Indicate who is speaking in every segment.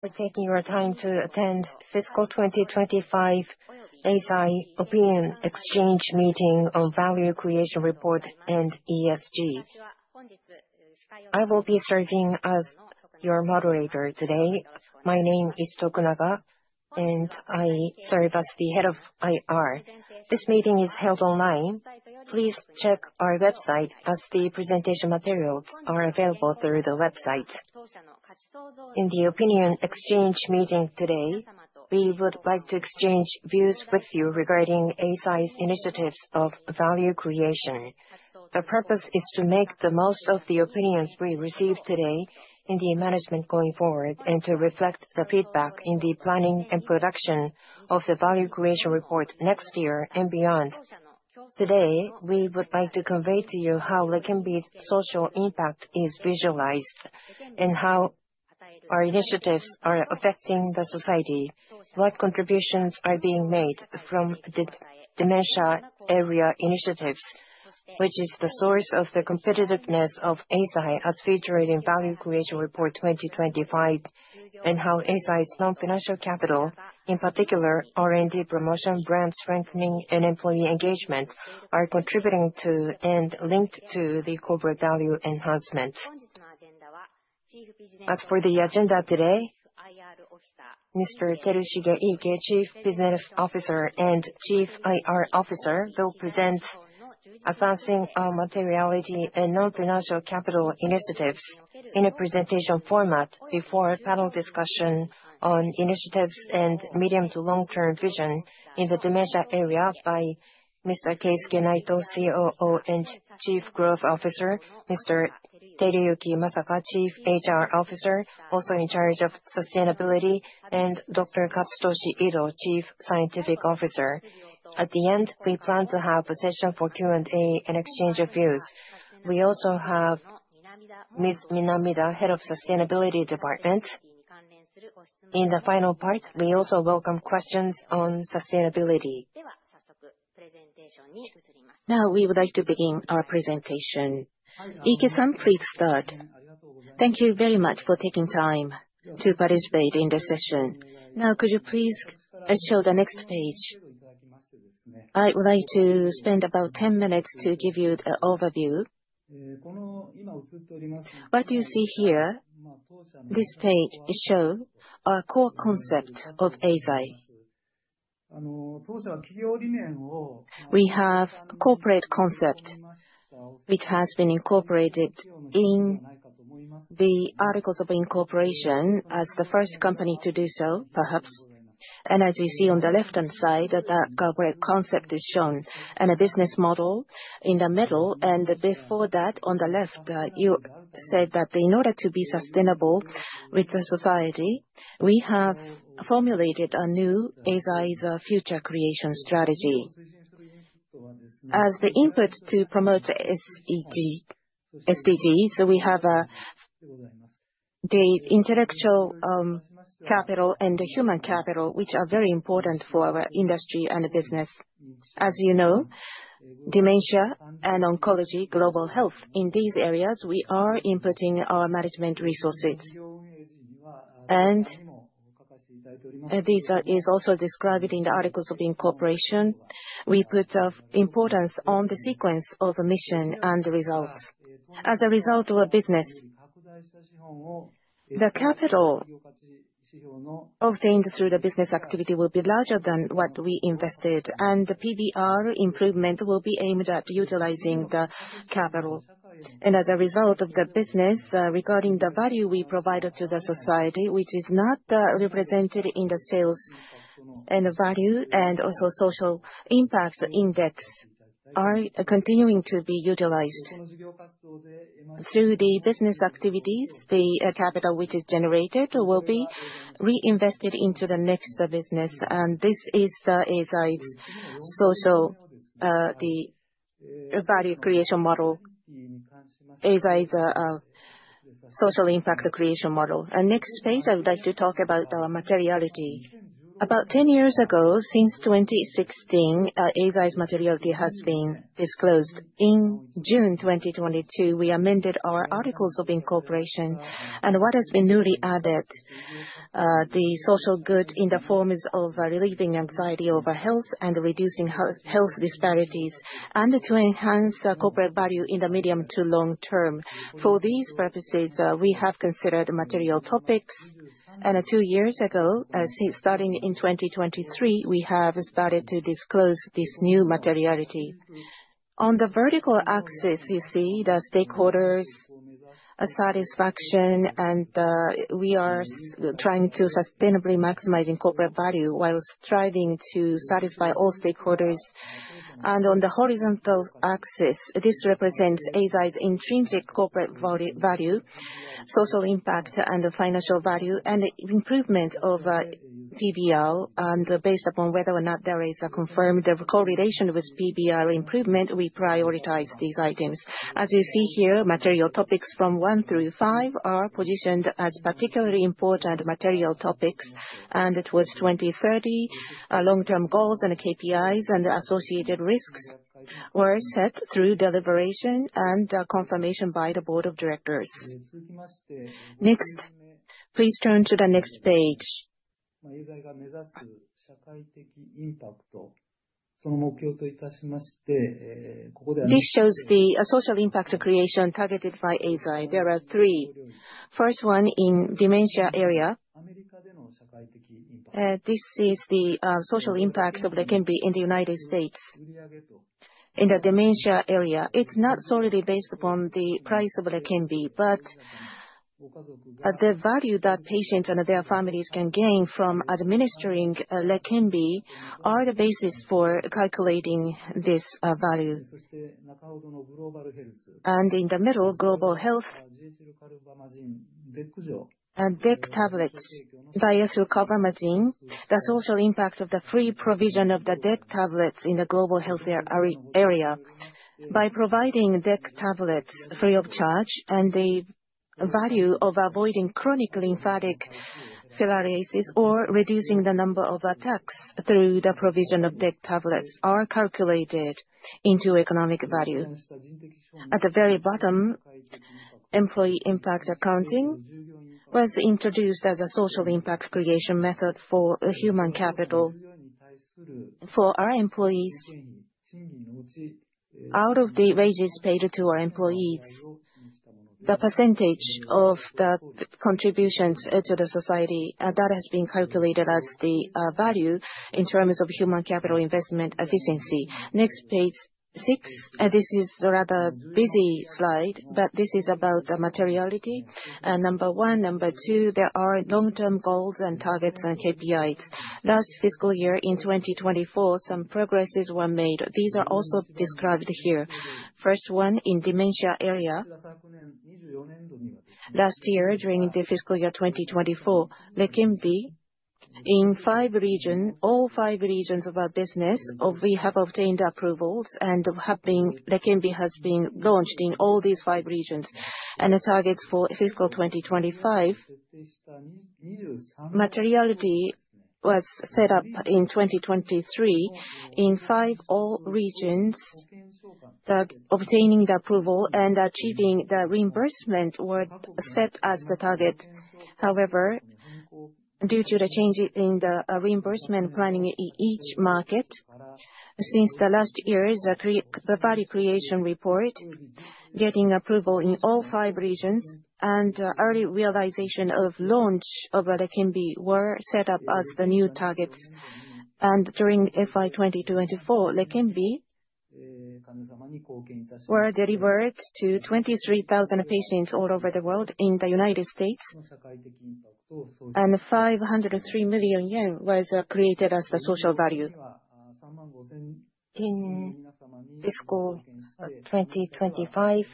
Speaker 1: For taking your time to attend fiscal 2025 Eisai Opinion Exchange Meeting on Value Creation Report and ESG. I will be serving as your moderator today. My name is Tokunaga and I serve as the Head of IR. This meeting is held online. Please check our website as the presentation materials are available through the website. In the Opinion Exchange meeting today, we would like to exchange views with you regarding Eisai's initiatives of value creation. The purpose is to make the most of the opinions we receive today in the management going forward and to reflect the feedback in the planning and production of the Value Creation Report next year and beyond. Today we would like to convey to you how Leqembi's social impact is visualized and how our initiatives are affecting the society. What contributions are being made from dementia area initiatives which is the source of the competitiveness of Eisai as featured in Value Creation Report 2025 and how Eisai's non-financial capital, in particular R&D promotion, brand strengthening and employee engagement are contributing to and linked to the corporate value enhancement. As for the agenda today, Mr. Terushige Iike, Chief Integrated Strategy Officer, will present advancing materiality and non-financial capital initiatives in a presentation format before a panel discussion on initiatives and medium- to long-term vision in the dementia area by Mr. Keisuke Naito, COO and Chief Growth Officer, Mr. Masatomi Akana, Chief HR Officer also in charge of sustainability, and Dr. Katsutoshi Ido, Chief Scientific Officer. At the end, we plan to have a session for Q&A and exchange of views. We also have Ms. Minamida, Head of Sustainability Department. In the final part, we also welcome questions on sustainability. Now we would like to begin our presentation. Iike-san, please start. Thank you very much for taking time to participate in the session. Now could you please show the next page? I would like to spend about 10 minutes to give you an overview. What you see here. This page shows our core concept of Eisai. We have corporate concept which has been incorporated in the Articles of Incorporation as the first company to do so, perhaps. As you see on the left hand side, that concept is shown and a business model in the middle and before that on the left. You said that in order to be sustainable with the society, we have formulated a new Eisai Future Creation Strategy as the input to promote. SDGs. So we have. The intellectual capital and the human capital which are very important for our industry and business. As you know, dementia and oncology, Global Health. In these areas we are inputting our management resources and. This is also described in the Articles of Incorporation. We put importance on the sequence of mission and the results. As a result of a business. The. Capital. Obtained through the business activity will be larger than what we invested, and the PBR improvement will be aimed at utilizing the capital and as a result of the business regarding the value we provide to the society, which is not represented in the sales and value, and also Social Impact Index are continuing to be utilized. Through the business activities, the capital which is generated will be reinvested into the next business and this is the Eisai's social value creation model, Eisai's Social Impact Creation Model. And next phase I would like to talk about materiality. About 10 years ago, since 2016, Eisai materiality has been disclosed. In June 2022 we amended our Articles of Incorporation and what has been newly added the social good in the forms of relieving anxiety over health and reducing health disparities and to enhance corporate value in the medium to long term. For these purposes we have considered material topics and two years ago, since starting in 2023 we have started to disclose this new materiality. On the vertical axis you see the stakeholders' satisfaction and we are trying to sustainably maximizing corporate value while striving to satisfy all stakeholders and on the horizontal axis this represents Eisai's intrinsic corporate value, social impact and financial value and improvement PBR and based upon whether or not there is a confirmed correlation with PBR improvement, we prioritize these items. As you see here, material topics from one through five are positioned as particularly important material topics and its 2030 long-term goals and KPIs and associated risks were set through deliberation and confirmation. By the Board of Directors. Next please turn to the next page. This shows the social impact creation targeted by Eisai. There are three. First one in dementia area. This is the social impact of the Leqembi in the United States in the dementia area. It's not solely based upon the price of the Leqembi but. The value that patients and their families can gain from administering Leqembi are the basis for calculating this value. In the middle Global Health. The social impacts of the free provision of the DEC tablets in the Global Healthcare area by providing DEC tablets free of charge and the value of avoiding chronic lymphatic filariasis or reducing the number of attacks through the provision of DEC tablets are calculated into economic value. At the very bottom, Employee Impact Accounting was introduced as a social impact creation method for human capital. For our employees. Out of the wages paid to our employees. The percentage of the contributions to the society that has been calculated as the value in terms of human capital investment efficiency. Next, page six. This is rather a busy slide, but this is about the materiality number one. Number two, there are long-term goals and targets and KPIs. Last fiscal year in 2024, some progresses were made. These are also described here. First one, dementia area. Last year during the fiscal year 2024 Leqembi in five regions all five regions of our business we have obtained approvals and Leqembi has been launched in all these five regions and the targets for fiscal 2025. Materiality was set up in 2023 in all five regions. Obtaining the approval and achieving the reimbursement were set as the target. However, due to the changes in the reimbursement planning in each market since the last year's Value Creation Report, getting approval in all five regions and early realization of launch of the Leqembi were set up as the new targets and during FY 2024 Leqembi. Were delivered to 23,000 patients all over the world in the United States. USD 503 million was created as the social value. In fiscal 2025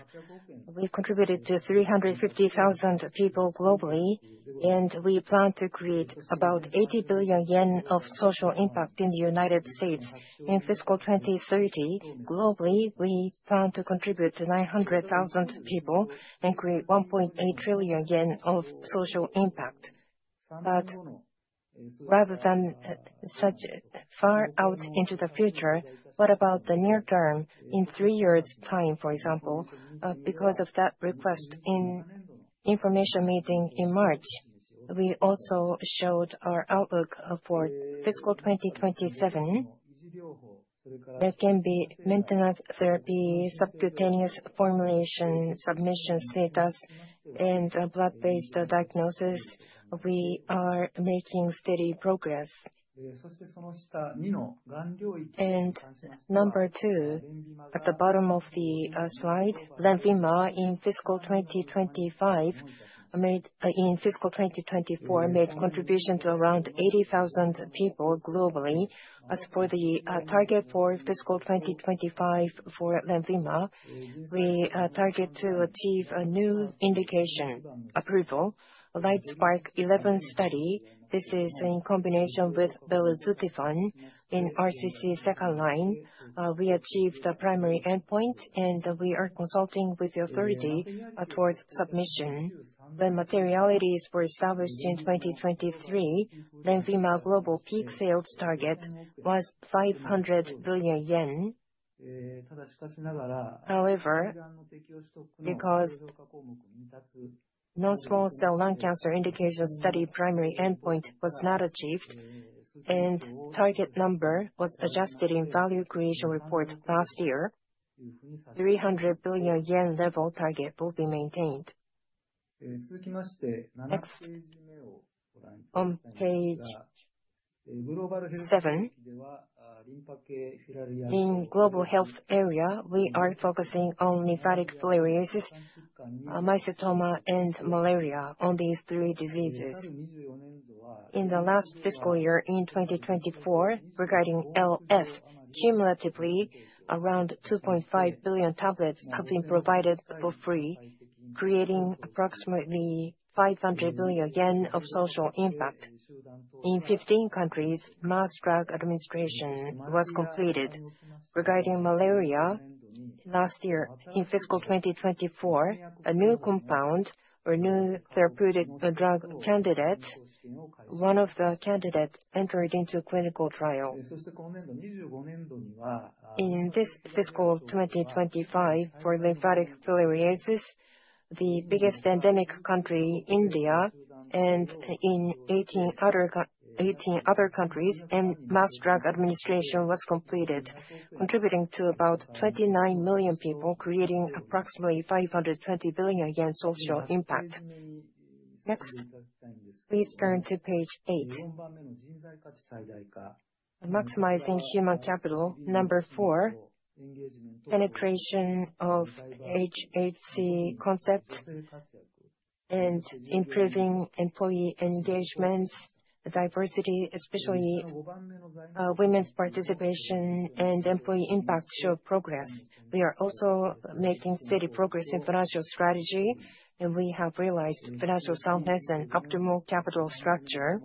Speaker 1: we contributed to 350,000 people globally and we plan to create about 80 billion yen of social impact in the United States. In fiscal 2030 globally we plan to contribute to 900,000 people and create 1.8 trillion yen of social impact. But rather than such far out into the future, what about the near term in three years time? For example, because of that request in information meeting in March, we also showed our outlook for fiscal 2027. Leqembi maintenance therapy, subcutaneous formulation submission status and blood-based diagnosis. We are making steady progress. Number two at the bottom of the slide, Lenvima in fiscal 2025. In fiscal 2024 made contribution to around 80,000 people globally. As for the target for fiscal 2025 for Lenvima we target to achieve a new indication approval LEAP-011 study. This is in combination with belzutifan in RCC second line we achieved the primary endpoint and we are consulting with the authority towards submission. When materialities were established in 2023 then EMEA global peak sales target was 500 billion yen. However, because. Non-small cell lung cancer indication study primary endpoint was not achieved, and target number was adjusted in Value Creation Report last year. 300 billion yen level target will be maintained. Next on page. Seven. In Global Health area we are focusing on lymphatic filariasis, mycetoma and malaria on these three diseases. In the last fiscal year in 2024 regarding LF, cumulatively around 2.5 billion tablets have been provided for free, creating approximately 500 billion yen of social impact in 15 countries. Mass drug administration was completed regarding malaria last year. In fiscal 2024, a new compound or new therapeutic drug candidates, one of the candidates entered into clinical trial. In this fiscal 2025 for lymphatic filariasis, the biggest endemic country India and in 18 other countries a mass drug administration was completed contributing to about 29 million people creating approximately 520 billion yen social impact. Next, please turn to page eight. Maximizing human capital. Number four: Penetration of hhc concept and improving employee engagements. Diversity, especially women's participation and employee impact show progress. We are also making steady progress in financial strategy and we have realized financial soundness and optimal capital structure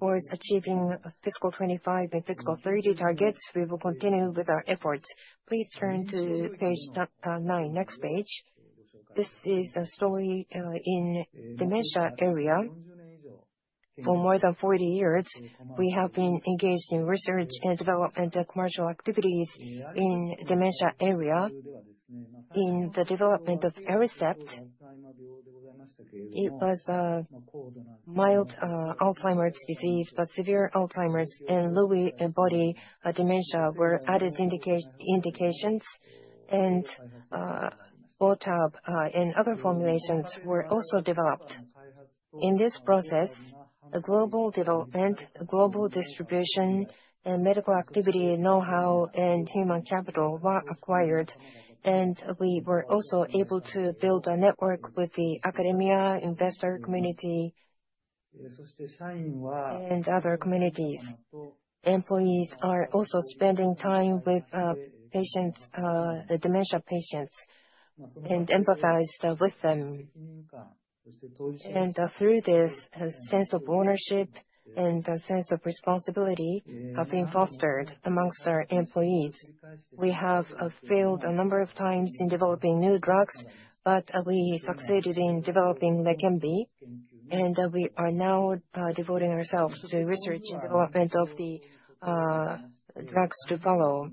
Speaker 1: was achieving fiscal 2025 and fiscal 2030 targets. We will continue with our efforts. Please turn to page nine. Next page. This is a story in dementia area. For more than 40 years we have been engaged in research and development and commercial activities in dementia area. In the development of Aricept. It was mild Alzheimer's disease, but severe Alzheimer's and Lewy body dementia were added indications, and Aricept and other formulations were also developed. In this process, global development, global distribution, and medical activity know-how and human capital were acquired, and we were also able to build a network with the academic community. Other communities. Employees are also spending time with patients, the dementia patients, and empathize with them. Through this sense of ownership and sense of responsibility have been fostered among our employees. We have failed a number of times in developing new drugs but we succeeded in developing Leqembi and we are now devoting ourselves to research and development of the drugs to follow.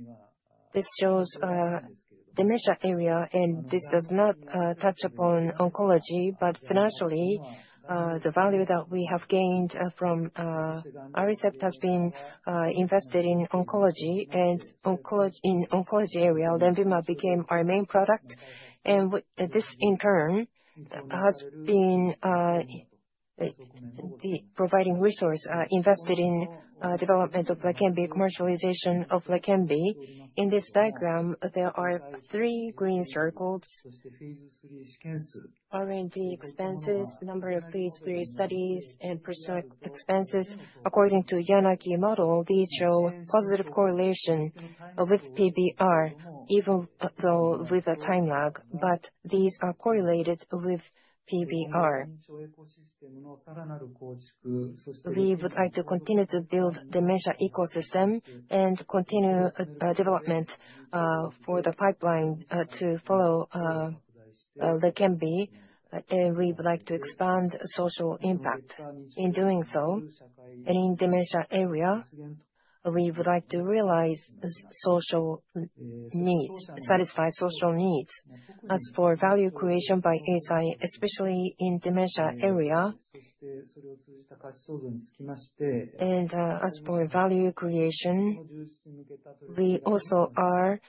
Speaker 1: This shows the treasure area and this does not touch upon oncology but financially. The value that we have gained from Aricept has been invested in oncology and in oncology area Lenvima became our main product and this in turn has been. Providing resource invested in development of Leqembi commercialization of Leqembi. In this diagram there are three green circles. R&D expenses, number of Phase 3 studies, and personnel expenses. According to Yanagi Model, these show positive correlation of its PBR even though with a time lag, but these are correlated with PBR. We would like to continue to build dementia ecosystem and continue development for the pipeline to follow Leqembi and we would like to expand social impact in doing so and in the EMEA area we would like to realize social needs, satisfy social needs as for value creation by Eisai, especially in dementia area. And as for value creation, we also are.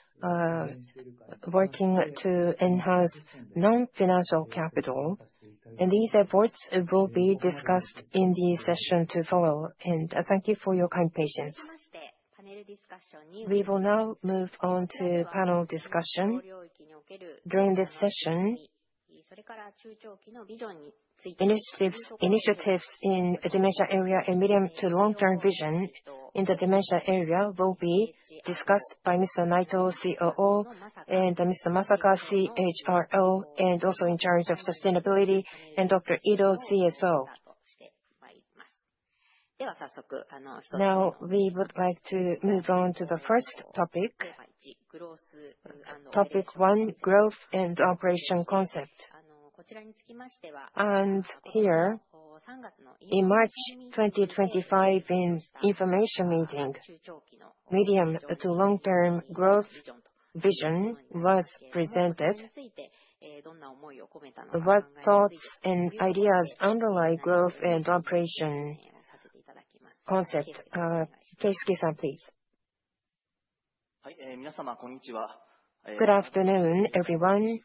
Speaker 1: Working to enhance non-financial capital and these efforts will be discussed in the session to follow, and thank you for your kind patience. We will now move on to panel discussion. During this session. Initiatives in the dementia area and medium- to long-term vision in the dementia area will be discussed by Mr. Naito, COO, and Mr. Akana, CHRO and also in charge of sustainability, and Dr. Ido, CSO. Now we would like to move on to the first topic. Topic one Growth and Operation Concept. Here in March 2025, information meeting medium- to long-term Growth Vision was presented. What thoughts and ideas underlie growth and operation. Concept please? Good afternoon, everyone.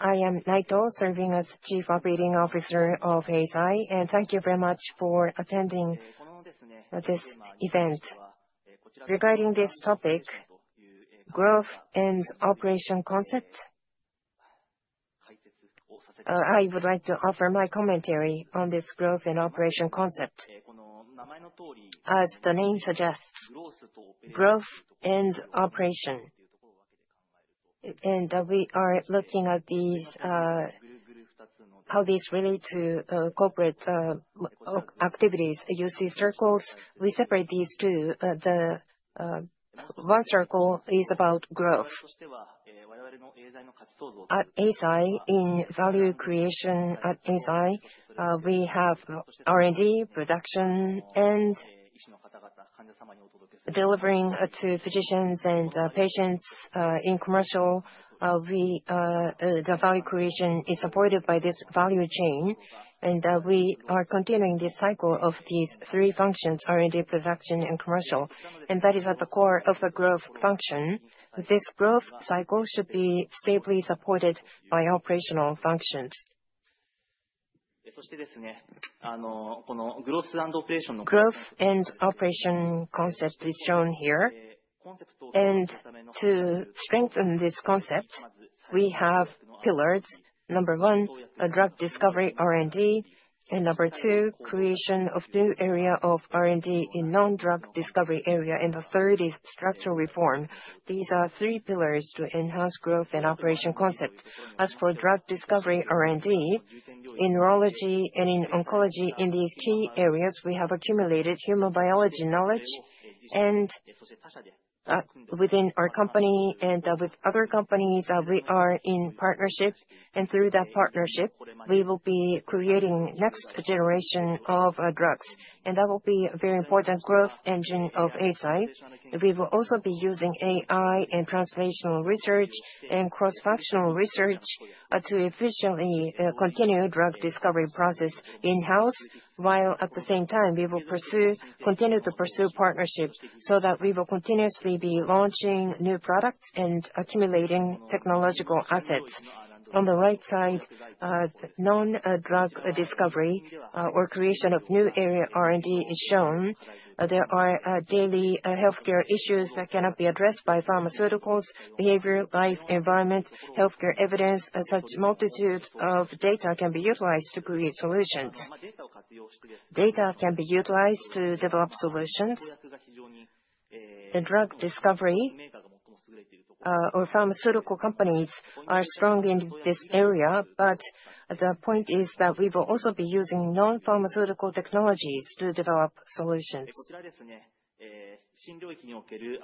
Speaker 1: I am Naito serving as Chief Operating Officer of Eisai and thank you very much for attending this event. Regarding this topic Growth and Operation Concept. I would like to offer my commentary on this Growth and Operation Concept. As the name suggests growth and operation. We are looking at these. How these relate to corporate activities. You see circles, we separate these two. The one circle is about growth. At Eisai in value creation. At Eisai we have R&D, production and. Delivering to physicians and patients in commercial. The value creation is supported by this value chain and we are continuing this cycle of these three functions, R&D production and commercial and that is at the core of the growth function. This growth cycle should be stably supported by operational functions. Growth and Operation Concept is shown here, and to strengthen this concept we have pillars: number one, drug discovery R&D, and number two, creation of new area of R&D in non-drug discovery area, and the third is structural reform. These are three pillars to enhance Growth and Operation Concept. As for drug discovery R&D in neurology and in oncology. In these key areas we have accumulated human biology knowledge and. Within our company and with other companies, we are in partnership, and through that partnership, we will be creating next generation of drugs, and that will be a very important growth engine of Eisai. We will also be using AI and translational research and cross functional research to efficiently continue drug discovery process in house while at the same time we will pursue partnerships so that we will continuously be launching new products and accumulating technological assets. On the right side, non-drug discovery or creation of new area R&D is shown. There are daily health care issues that cannot be addressed by pharmaceuticals. Behavior, life environment, health care evidence. Such multitudes of data can be utilized to create solutions. Data can be utilized to develop solutions. The drug discovery. Or pharmaceutical companies are strong in this area. But the point is that we will also be using non pharmaceutical technologies to develop solutions.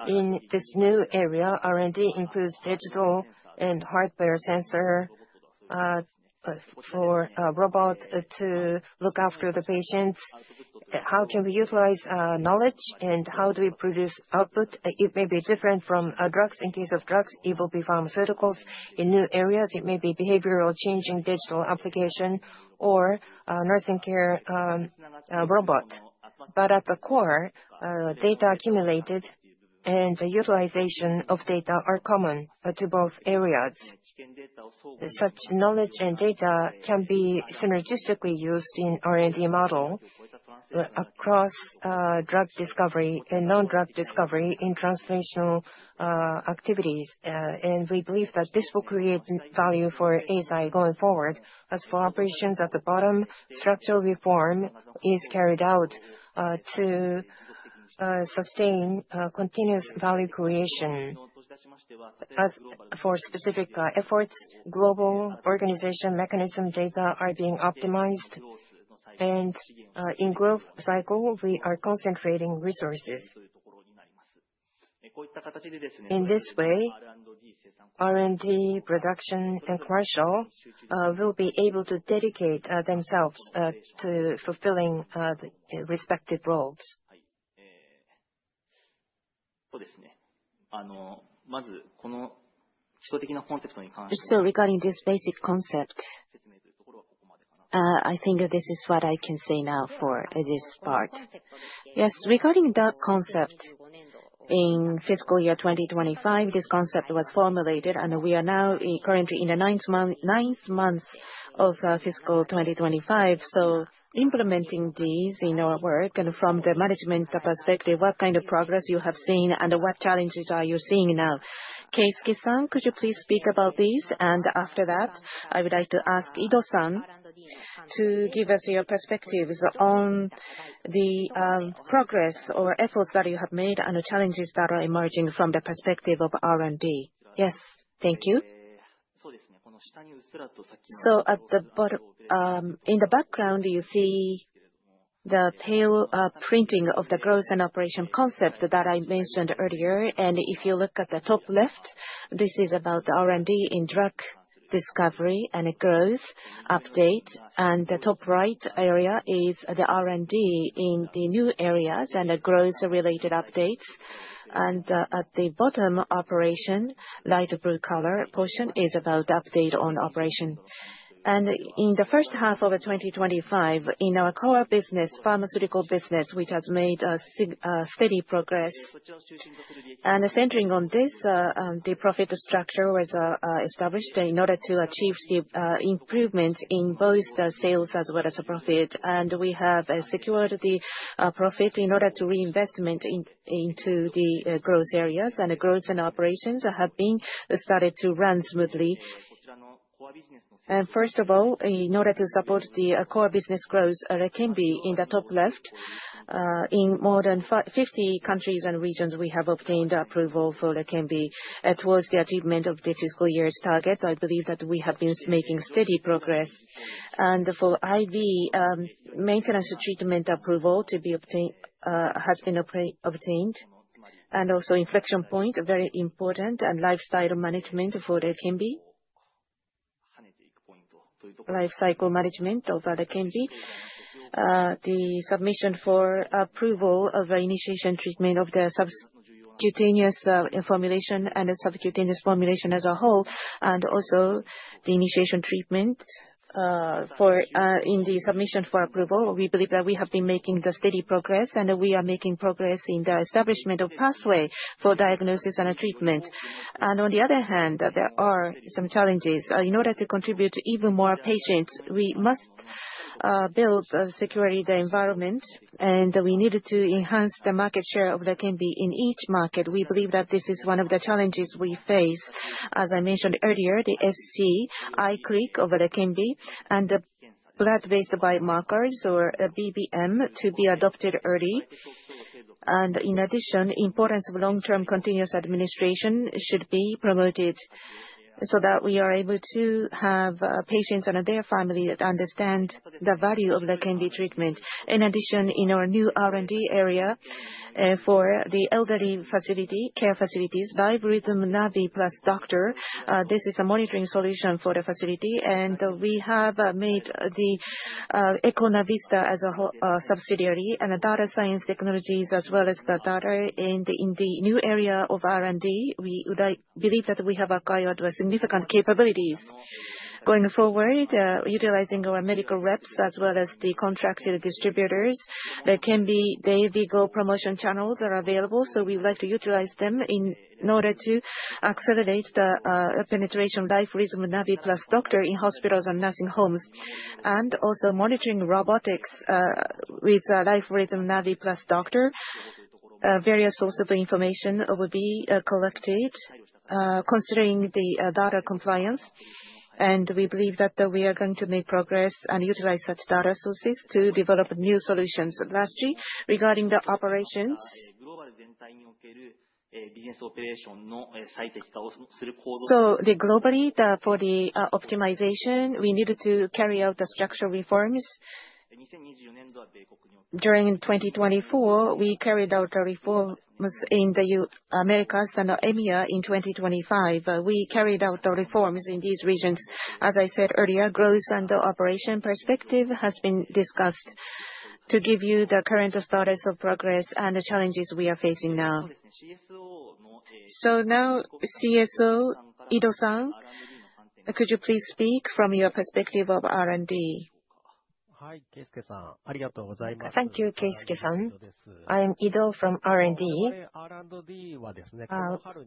Speaker 1: In this new area, R&D includes digital and hardware sensor. For robots to look after the patients. How can we utilize knowledge and how do we produce output? It may be different from drugs. In case of drugs it will be pharmaceuticals. In new areas it may be behavioral changing, digital application or nursing care robot. But at the core, data accumulated and utilization of data are common to both areas. Such knowledge and data can be synergistically used in R&D model across drug discovery and non-drug discovery in translational activities, and we believe that this will create value for Eisai going forward. As for operations at the bottom, structural reform is carried out to sustain continuous value creation. For specific efforts. Global organization mechanism data are being optimized, and in growth cycle we are concentrating resources. In this way, R&D, production, and commercial will be able to dedicate themselves to fulfilling the respective roles. Regarding this basic concept. I think this is what I can say now for this part. Yes, regarding that concept, in fiscal year 2025, this concept was formulated and we are now currently in the ninth month of fiscal 2025, so implementing these in our work and from the management perspective, what kind of progress you have seen and what challenges are you seeing now? Keisuke-san, could you please speak about these? And after that I would like to ask Naito-san to give us your perspectives on the progress or efforts that you have made and the challenges that are emerging from the perspective of R&D. Yes, thank you. At the bottom in the background you see the pale printing of the Growth and Operation Concept that I mentioned earlier. If you look at the top left, this is about the R&D in drug discovery and a growth update. The top right area is the R&D in the new areas and growth related updates. At the bottom, operation light blue color portion is about update on operation and in the first half of 2025, in our core business, pharmaceutical business which has made a steady progress and centering on this, the profit structure was established in order to achieve improvements in both sales as well as the profit. We have secured the profit in order to reinvestment into the growth areas and growth and operations have been started to run smoothly. First of all, in order to support the core business, growth can be in the top left. In more than 50 countries and regions, we have obtained approval for the Leqembi towards the achievement of the fiscal year’s target. I believe that we have been making steady progress, and for IV maintenance treatment approval has been obtained. Also, inflection point very important, and lifecycle management for the Leqembi. Lifecycle management of the Leqembi, the submission for approval of initiation treatment of the subcutaneous formulation and the subcutaneous formulation as a whole and also the initiation treatment. In the submission for approval, we believe that we have been making the steady progress and we are making progress in the establishment of pathway for diagnosis and treatment and on the other hand there are some challenges in order to contribute to even more patients we must build securely the environment and we needed to enhance the market share of Leqembi in each market. We believe that this is one of the challenges we face. As I mentioned earlier, the subcutaneous injection of Leqembi and blood-based biomarkers or BBM to be adopted early and in addition importance of long term continuous administration should be promoted so that we are able to have patients and their family that understands the value of the Leqembi treatment. In addition, in our new R&D area for the elderly facility care facilities by Life Rhythm Navi + Dr. This is a monitoring solution for the facility, and we have made the EcoNaviSta as a subsidiary and Theoria Technologies as well as the data in the new area of R&D. We believe that we have acquired significant capabilities going forward utilizing our medical reps as well as the contracted distributors. Leqembi Dayvigo promotion channels that are available, so we would like to utilize them in order to accelerate the penetration Life Rhythm Navi + Dr. in hospitals and nursing homes and also monitoring robotics with Life Rhythm Navi + Dr. Various sources of information will be collected considering the data compliance, and we believe that we are going to make progress and utilize such data sources to develop new solutions last year regarding the operations. Globally, for the optimization we needed to carry out the structural reforms. During 2024 we carried out a reform in the Americas and EMEA. In 2025 we carried out the reforms in these regions. As I said earlier, growth and operation perspective has been discussed to give you the current status of progress and the challenges we are facing now. So now CSO Ido-san, could you please speak from your perspective of R&D? Thank you. Keisuke-san, I am Ido from R&D.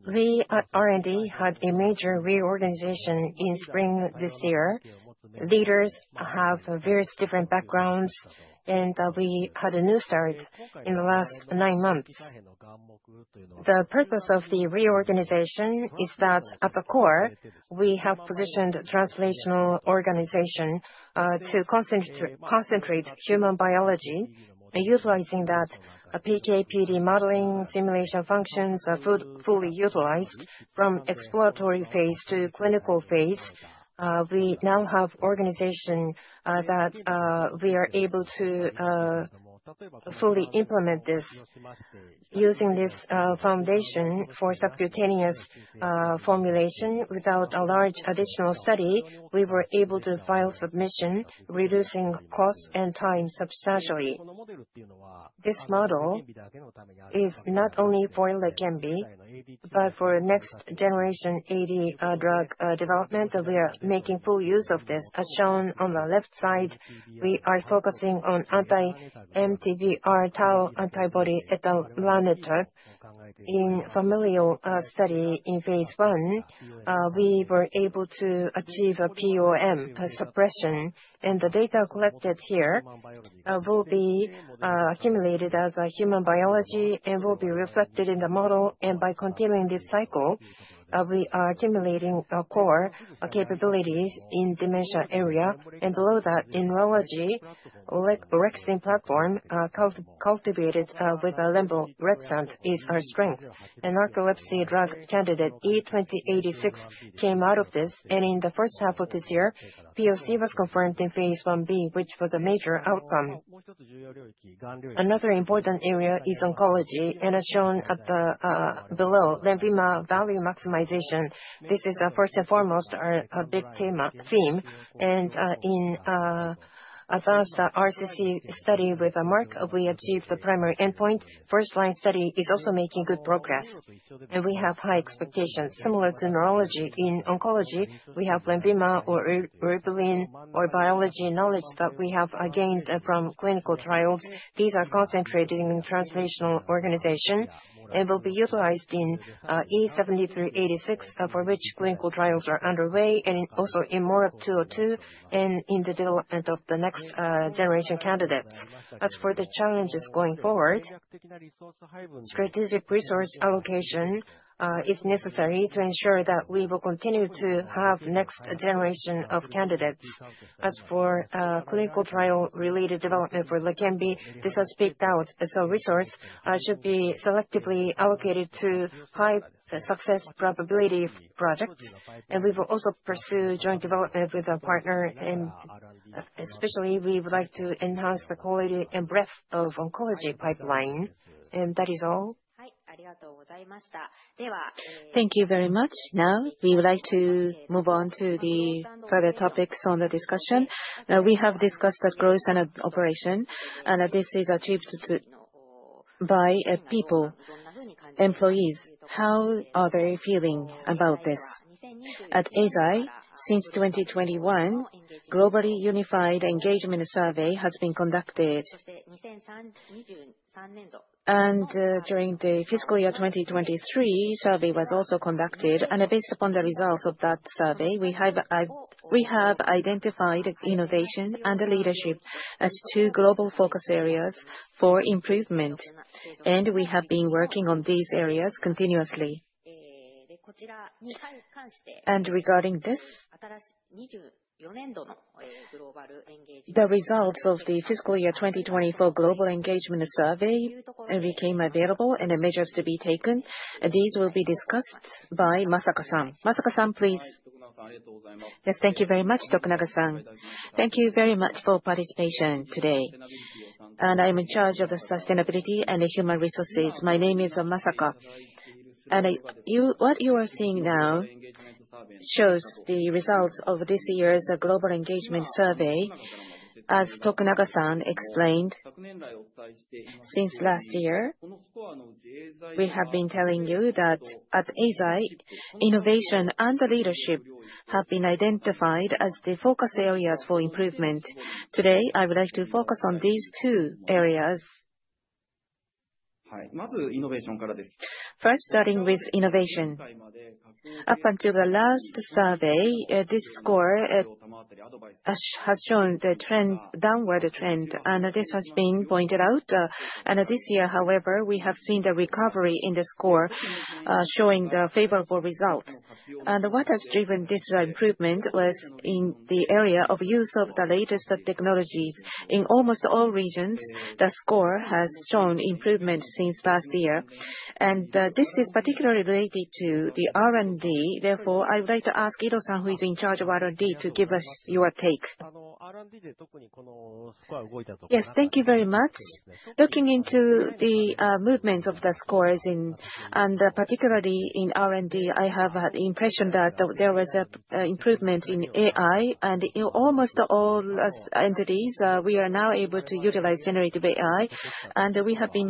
Speaker 1: We at R&D had a major reorganization in spring this year. Leaders have various different backgrounds and we had a new start in the last nine months. The purpose of the reorganization is that at the core we have positioned translational organization to concentrate human biology utilizing that PK/PD modeling simulation functions are fully utilized from exploratory phase to clinical phase. We now have organization that we are able to fully implement this. Using this foundation for subcutaneous formulation without a large additional study, we were able to file submission reducing cost and time substantially. This model is not only for Leqembi but for next generation AD drug development. We are making full use of this, as shown on the left side. We are focusing on anti-MTBR tau antibody E2814 in familial study. In Phase 1, we were able to achieve a p-tau suppression, and the data collected here will be accumulated as a human biology and will be reflected in the model. By continuing this cycle, we are accumulating core capabilities in dementia area. Below that, neurology research platform cultivated with our level of R&D spend is our strength, and narcolepsy drug candidate E2086 came out of this. In the first half of this year, POC was confirmed in Phase 1b, which was a major outcome. Another important area is oncology and as shown below Lenvima. This is first and foremost a big theme and in advanced RCC study with Merck we achieved the primary endpoint. First line study is also making good progress and we have high expectations. Similar to neurology in oncology we have Lenvima or eribulin biology knowledge that we have gained from clinical trials. These are concentrated in translational organization and will be utilized in E7386 for which clinical trials are underway and also in MORAb-202 and in the development of the next generation candidate. As for the challenges going forward. Strategic resource allocation is necessary to ensure that we will continue to have next generation of candidates. As for clinical trial related development for Leqembi, this has picked out so resource should be selectively allocated to high success probability projects and we will also pursue joint development with our partner in especially we would like to enhance the quality and breadth of oncology pipeline and that is all. Thank you very much. Now we would like to move on to the further topics on the discussion we have discussed: growth and operation, and this is achieved by people employees. How are they feeling about this at Eisai? Since 2021, globally unified engagement survey has been conducted. During the fiscal year 2023, a survey was also conducted. Based upon the results of that survey, we have identified innovation and leadership as two global focus areas for improvement, and we have been working on these areas continuously. Regarding this. The results of the fiscal year 2024 Global Engagement Survey became available and measures to be taken. These will be discussed by Akana-san. Akana-san, please. Yes, thank you very much. Mr. Naito. Thank you very much for participation today and I'm in charge of the sustainability and human resources. My name is Akana and what you are seeing now shows the results of this year's Global Engagement Survey. As Tokunaga-san explained. Since last year we have been telling you that at Eisai, innovation and leadership have been identified as the focus areas for improvement. Today I would like to focus on these two areas. First starting with innovation. Up until the last survey, this score. Has shown the downward trend and this has been pointed out, and this year however, we have seen the recovery in the score showing the favorable result, and what has driven this improvement was in the area of use of the latest technology. In almost all regions the score has shown improvement since last year and this is particularly related to the R&D. Therefore, I would like to ask Naito-san who is in charge of R&D to give us your take. Yes, thank you very much. Looking into the movement of the scores and particularly in R&D, I have had the impression that there was an improvement in AI and almost all entities. We are now able to utilize generative AI and we have been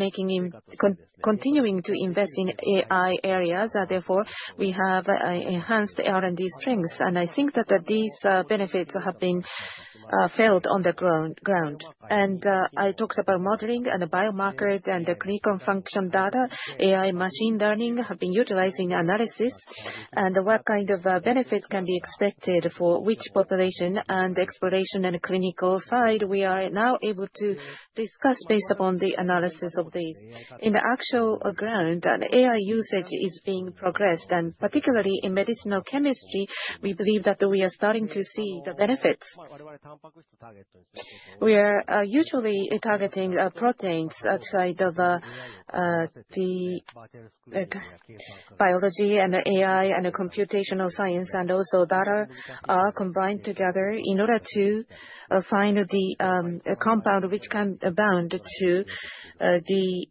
Speaker 1: continuing to invest in AI areas. Therefore we have enhanced R&D strengths and I think that these benefits have been felt on the ground. I talked about modeling and the biomarkers and the clinical functional data. AI machine learning have been utilized in analysis and what kind of benefits can be expected for which population and exploration and on the clinical side we are now able to discuss based upon the analysis of these. In the actual ground AI usage is being progressed and particularly in medicinal chemistry. We believe that we are starting to see the benefits. We are usually targeting proteins outside of the. Biology and AI and computational science and also data are combined together in order to find the compound which can bind to the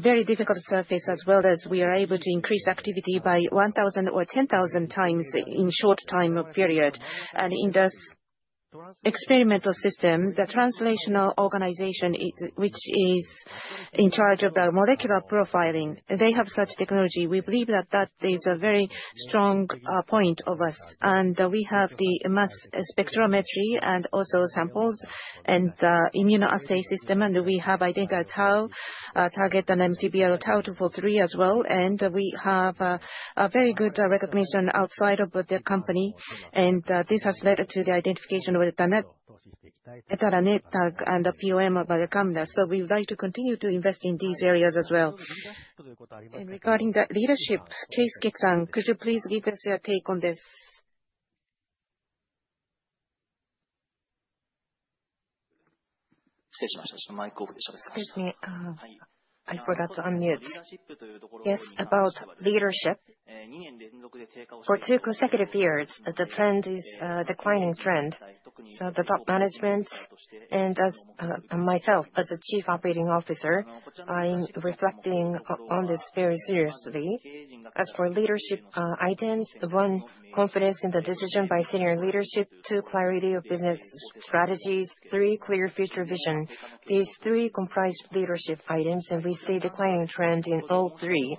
Speaker 1: very difficult surface as well as we are able to increase activity by 1,000 or 10,000 times in short period of time. In this experimental system, the translational organization which is in charge of the molecular profiling, they have such technology. We believe that that is a very strong point of us. We have the mass spectrometry and also samples and immunoassay system and we have identified target and MTBR-tau243 as well. We have a very good recognition outside of the company and this has led to the identification of donepezil. We would like to continue to invest in these areas as well. Regarding the leadership case, Keisuke-san, could you please give us your take on this? Excuse me, I forgot to unmute. Yes. About leadership. For two consecutive years, the trend is declining trend. So the top management and myself as a Chief Operating Officer, I'm reflecting on this very seriously. As for leadership items. one, confidence in the decision by senior leadership, two, clarity of business strategies, three, clear future vision. These three comprise leadership items and we see declining trend in all three.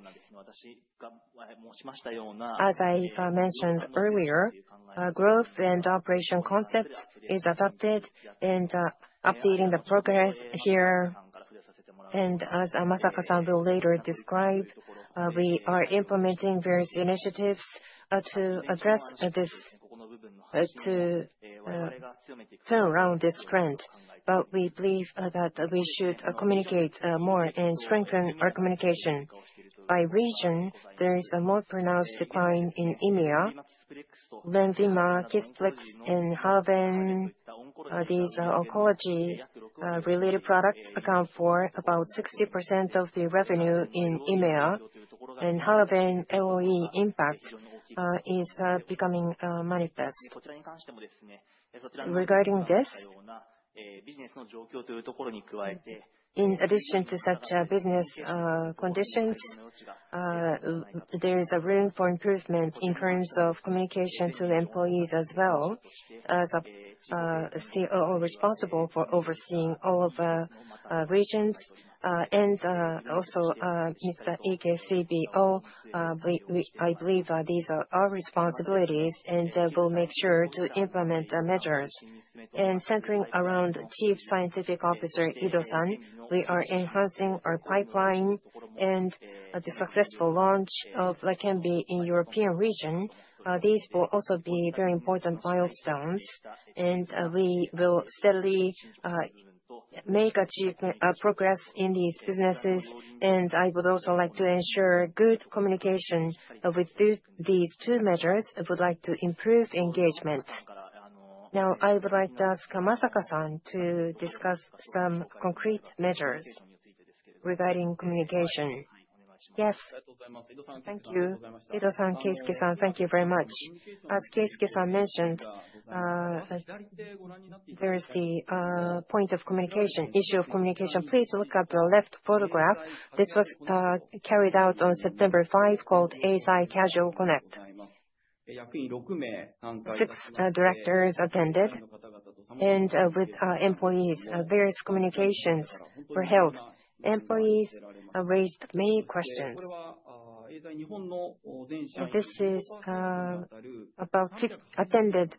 Speaker 1: As I mentioned earlier, Growth and Operation Concept is adopted and updating the progress here. As Akana-san will later describe, we are implementing various initiatives to address this to turn around this trend. But we believe that we should communicate more and strengthen our communication by region. There is a more pronounced decline in EMEA, Lenvima, Kisplyx and Halaven. These oncology related products account for about 60% of the revenue in EMEA and Halaven LOE impact is becoming manifest. Regarding this. In addition to such business conditions. There. is a room for improvement in terms of communication to the employees as well as COO responsible for overseeing all of regions and also Mr. Iike, CEO. I believe these are our responsibilities and we'll make sure to implement measures centering around Chief Scientific Officer Naito-san. We are enhancing our pipeline and the successful launch of Leqembi in European region. These will also be very important milestones and we will steadily make progress in these businesses. I would also like to ensure good communication. With these two measures we would like to improve engagement. Now I would like to ask Akana-san to discuss some concrete measures regarding communication. Yes, thank you. Thank you very much. As Keisuke-san mentioned. There is the point of communication, issue of communication. Please look at the left photograph. This was carried out on September 5th, called Eisai Casual Kitchen. Six directors attended and with employees. Various communications were held. Employees raised many questions. This is about attended.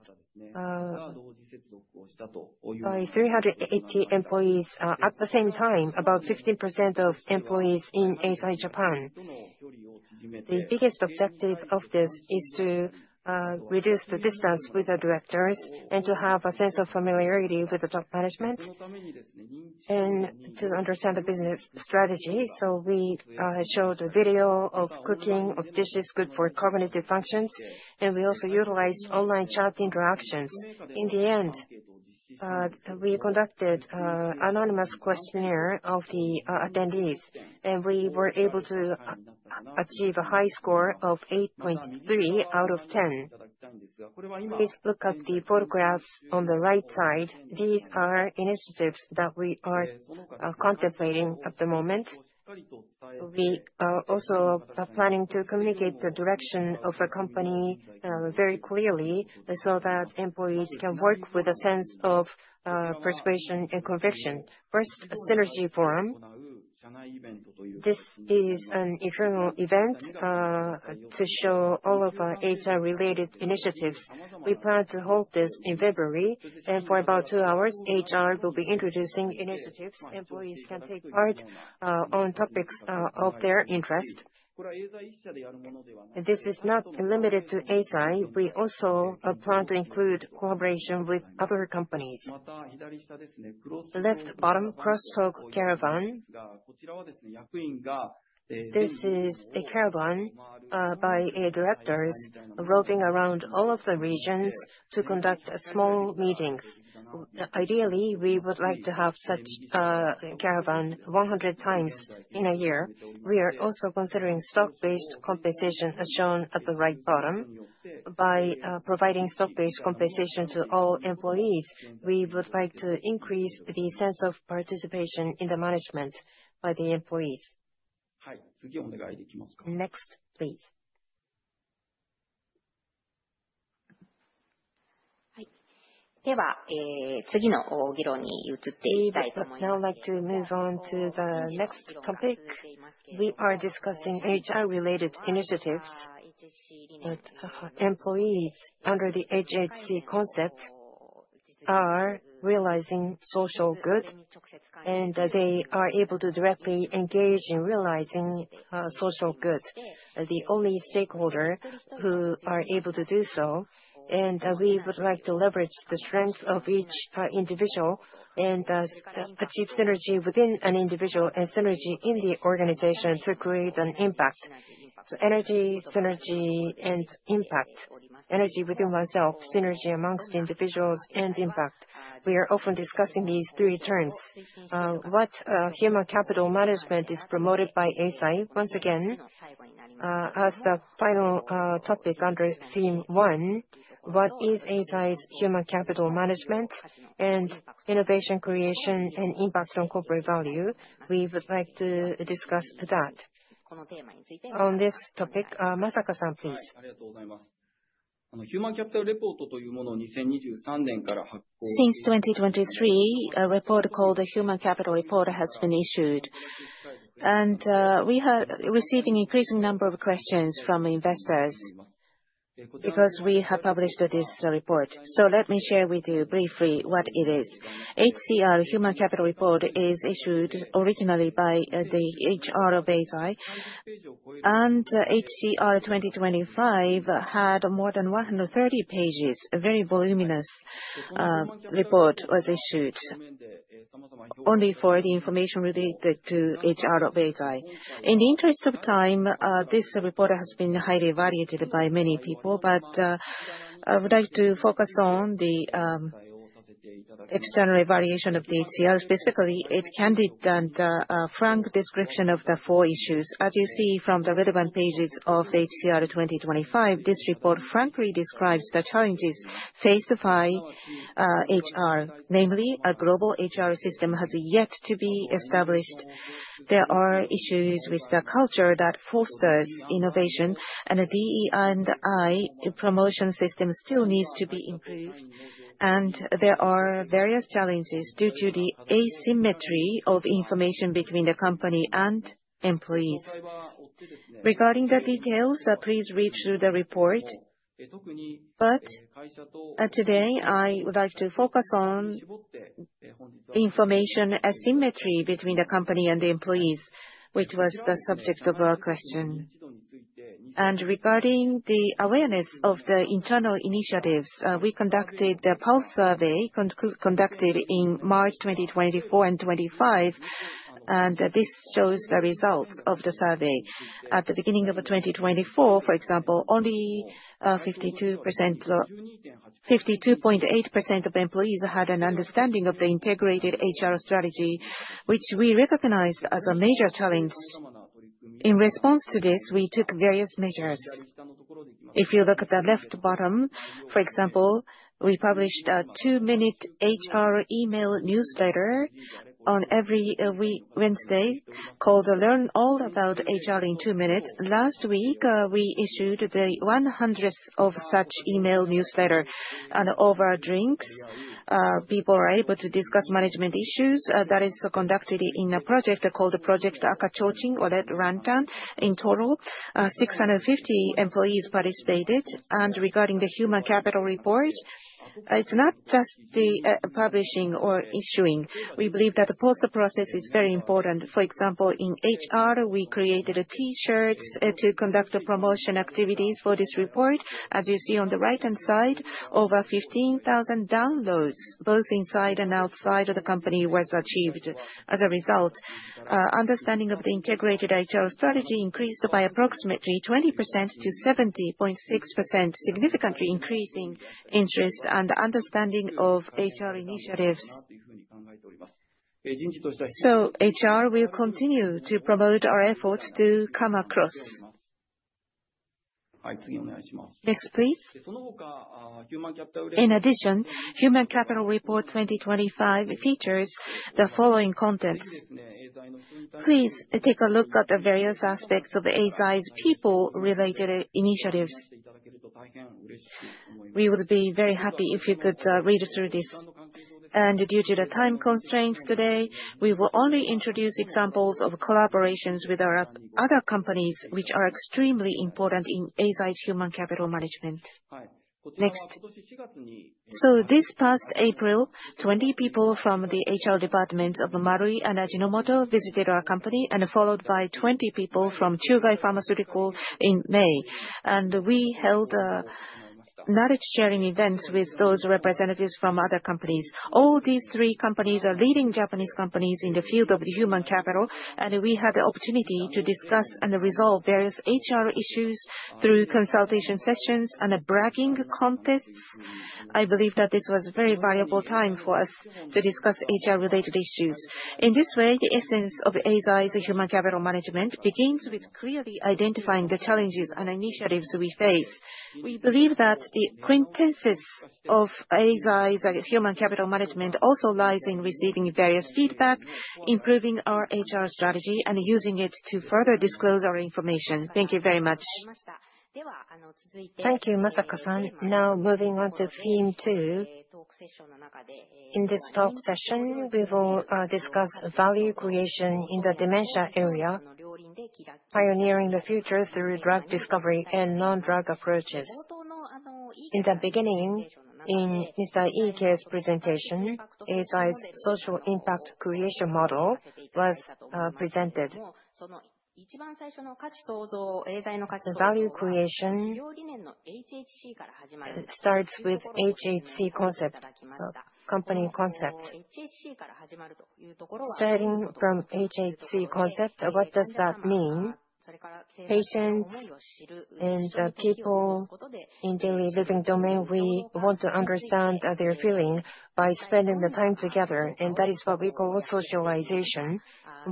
Speaker 1: By 380 employees. At the same time, about 15% of employees in Eisai, Japan. The biggest objective of this is to reduce the distance with the directors and to have a sense of familiarity with the top management and to understand the business strategy. So we showed a video of cooking of dishes good for cognitive functions and we also utilized online chat interactions. In the end, we conducted anonymous questionnaire of the attendees and we were able to achieve a high score of 8.3/10. Please look at the photographs on the right side. These are initiatives that we are contemplating at the moment. We are also planning to communicate the direction of a company very clearly so that employees can work with a sense of persuasion and conviction. First Synergy Forum. This is an internal event to show all of HR related initiatives. We plan to hold this in February and for about two hours HR will be introducing initiatives. Employees can take part on topics of their interest. This is not limited to Eisai. We also plan to include collaboration with other companies. Left bottom Crosstalk Caravan. This is a caravan by directors going around all of the regions to conduct small meetings. Ideally, we would like to have such caravan 100 times in a year. We are also considering stock-based compensation as shown at the right bottom by providing stock-based compensation to all employees, we would like to increase the sense of participation in the management by the employees. Next please. I'd like to move on to the next topic. We are discussing HR-related initiatives. Employees under the hhc concept are realizing social good, and they are able to directly engage in realizing social good. The only stakeholders who are able to do so, and we would like to leverage the strength of each individual and achieve synergy within an individual and synergy in the organization to create an impact, energy, synergy, and impact energy within oneself, synergy amongst individuals, and impact. We are often discussing these three terms. What Human Capital Management is promoted by Eisai? Once again, as the final topic under theme one, what is Eisai's Human Capital Management and innovation creation and impact on corporate value? We would like to discuss that on this topic. Akana-san, please. Since 2023, a report called the Human Capital Report has been issued, and we are receiving increasing number of questions from investors because we have published this report. So let me share with you briefly what it is. HCR, Human Capital Report, is issued originally by the HR of Eisai, and HCR 2025 had more than 130 pages. A very voluminous report was issued only for the information related to HR of Eisai. In the interest of time, this report has been highly evaluated by many people, but I would like to focus on the. External evaluation of the HCR. Specifically, its candid and frank description of the four issues. As you see from the relevant pages of the HCR 2025, this report frankly describes the challenges faced by HR. Namely, a global HR system has yet to be established, there are issues with the culture that fosters innovation and the DE&I promotion system still needs to be improved and there are various challenges due to the asymmetry of information between the company and employees. Regarding the details, please read through the report. But today I would like to focus on. Information asymmetry between the company and the employees, which was the subject of our question, and regarding the awareness of the internal initiatives, we conducted the Pulse survey conducted in March 2024 and 2025, and this shows the results of the survey. At the beginning of 2024, for example, only 52.8% of employees had an understanding of the integrated HR strategy, which we recognized as a major challenge. In response to this, we took various measures. If you look at the left bottom, for example, we published a two-minute HR EMEA newsletter on every Wednesday called Learn All about HR in Two Minutes. Last week we issued the 100th of such EMEA newsletter, and over drinks people are able to discuss management issues that is conducted in a project called Project Akachochin. In total, 650 employees participated, and regarding the Human Capital Report, it's not just the publishing or issuing. We believe that the post process is very important. For example, in HR we created T-shirts to conduct the promotion activities for this report. As you see on the right-hand side, over 15,000 downloads both inside and outside of the company was digital. As a result, understanding of the integrated HR strategy increased by approximately 20% to 70.6%, significantly increasing interest and understanding of HR initiatives. HR will continue to promote our efforts to come across. Next please. In addition, Human Capital Report 2025 features the following content. Please take a look at the various aspects of Eisai's people related initiatives. We would be very happy if you could read through this, and due to the time constraints today we will only introduce examples of collaborations with other companies which are extremely important in Eisai's Human Capital Management. Next. So this past April, 20 people from the HR department of Marui and Ajinomoto visited our company, followed by 20 people from Chugai Pharmaceutical in May, and we held knowledge sharing events with those representatives from other companies. All these three companies are leading Japanese companies in the field of human capital, and we had the opportunity to discuss and resolve various HR issues through consultation sessions and bragging contests. I believe that this was very valuable time for us to discuss HR related issues. In this way, the essence of Eisai's Human Capital Management begins with clearly identifying the challenges and initiatives we face. We believe that the coincidence of Eisai's Human Capital Management also lies in receiving various feedback, improving our HR strategy and using it to further disclose our information. Thank you very much. Thank you, Akana-san. Now moving on to theme two. In this talk session we will discuss value creation in the dementia area, pioneering the future through drug discovery and non-drug approaches. In the beginning, in Mr. Iike's presentation Eisai's Social Impact Creation Model was presented. The value creation. It starts with hhc concept, company concept. Starting from hhc concept. What does that mean? Patients and people in daily living domain we want to understand their feeling by spending the time together. And that is what we call socialization.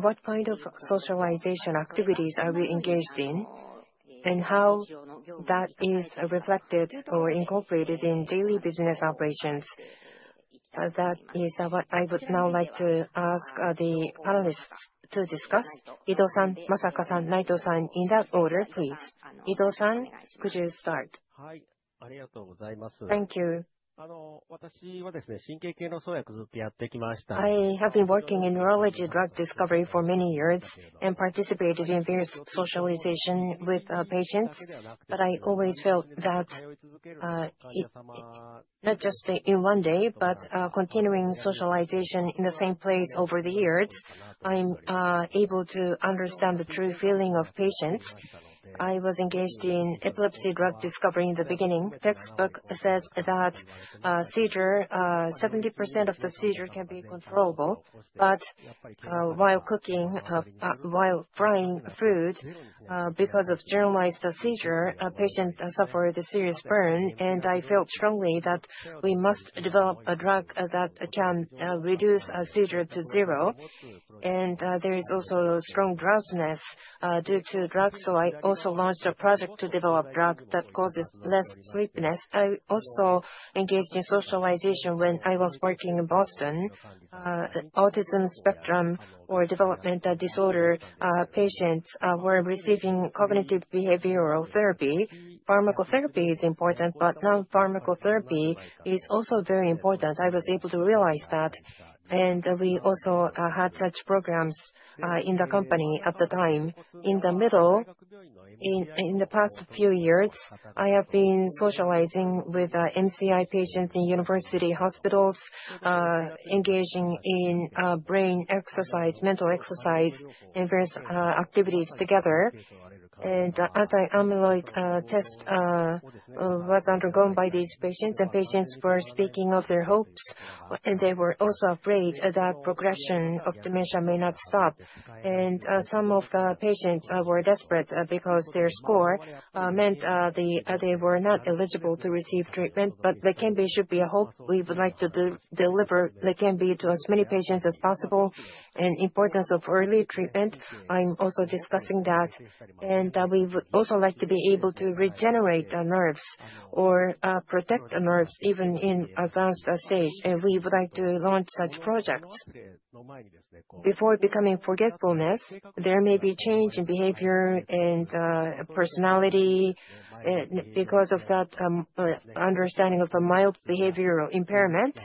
Speaker 1: What kind of socialization activities are we engaged in and how that is reflected or incorporated in daily business operations? That is what I would now like to ask the panelists to discuss. Naito-san, Akana-san, Naito-san in that order please. Naito-san, could you start? Thank you. I have been working in neurology drug discovery for many years and participated in various socialization with patients. But I always felt that. Not just in one day, but continuing socialization in the same place. Over the years I'm able to understand the true feeling of patients. I was engaged in epilepsy drug discovery in the beginning. Textbook says that either 70% of the seizure can be controllable. But while cooking, while frying food because of generalized seizure, patients suffered a serious burn. And I felt strongly that we must develop a drug that can reduce seizure to zero. And there is also strong drowsiness due to drugs. So I also launched a project to develop drugs that causes less sleepiness. I also engaged in socialization. When I was working in Boston, autism spectrum or developmental disorder patients were receiving cognitive behavioral therapy. Pharmacotherapy is important but non-pharmacotherapy is also very important. I was able to realize that and we also had such programs in the company at the time. In the middle. In the past few years I have been socializing with MCI patients in university hospitals, engaging in brain exercise, mental exercise, and various activities together, and anti-amyloid test was undergone by these patients, and patients were speaking of their hopes, and they were also afraid that progression of dementia may not stop, and some of the patients were desperate because their score meant that they were not eligible to receive treatment. But the can be should be a hope. We would like to deliver the Leqembi to as many patients as possible and importance of early treatment. I'm also discussing that and we would also like to be able to regenerate nerves or protect the nerves even in advanced stage. And we would like to launch such projects. Before becoming forgetfulness. There may be change in behavior and personality because of that understanding of the mild behavioral impairment.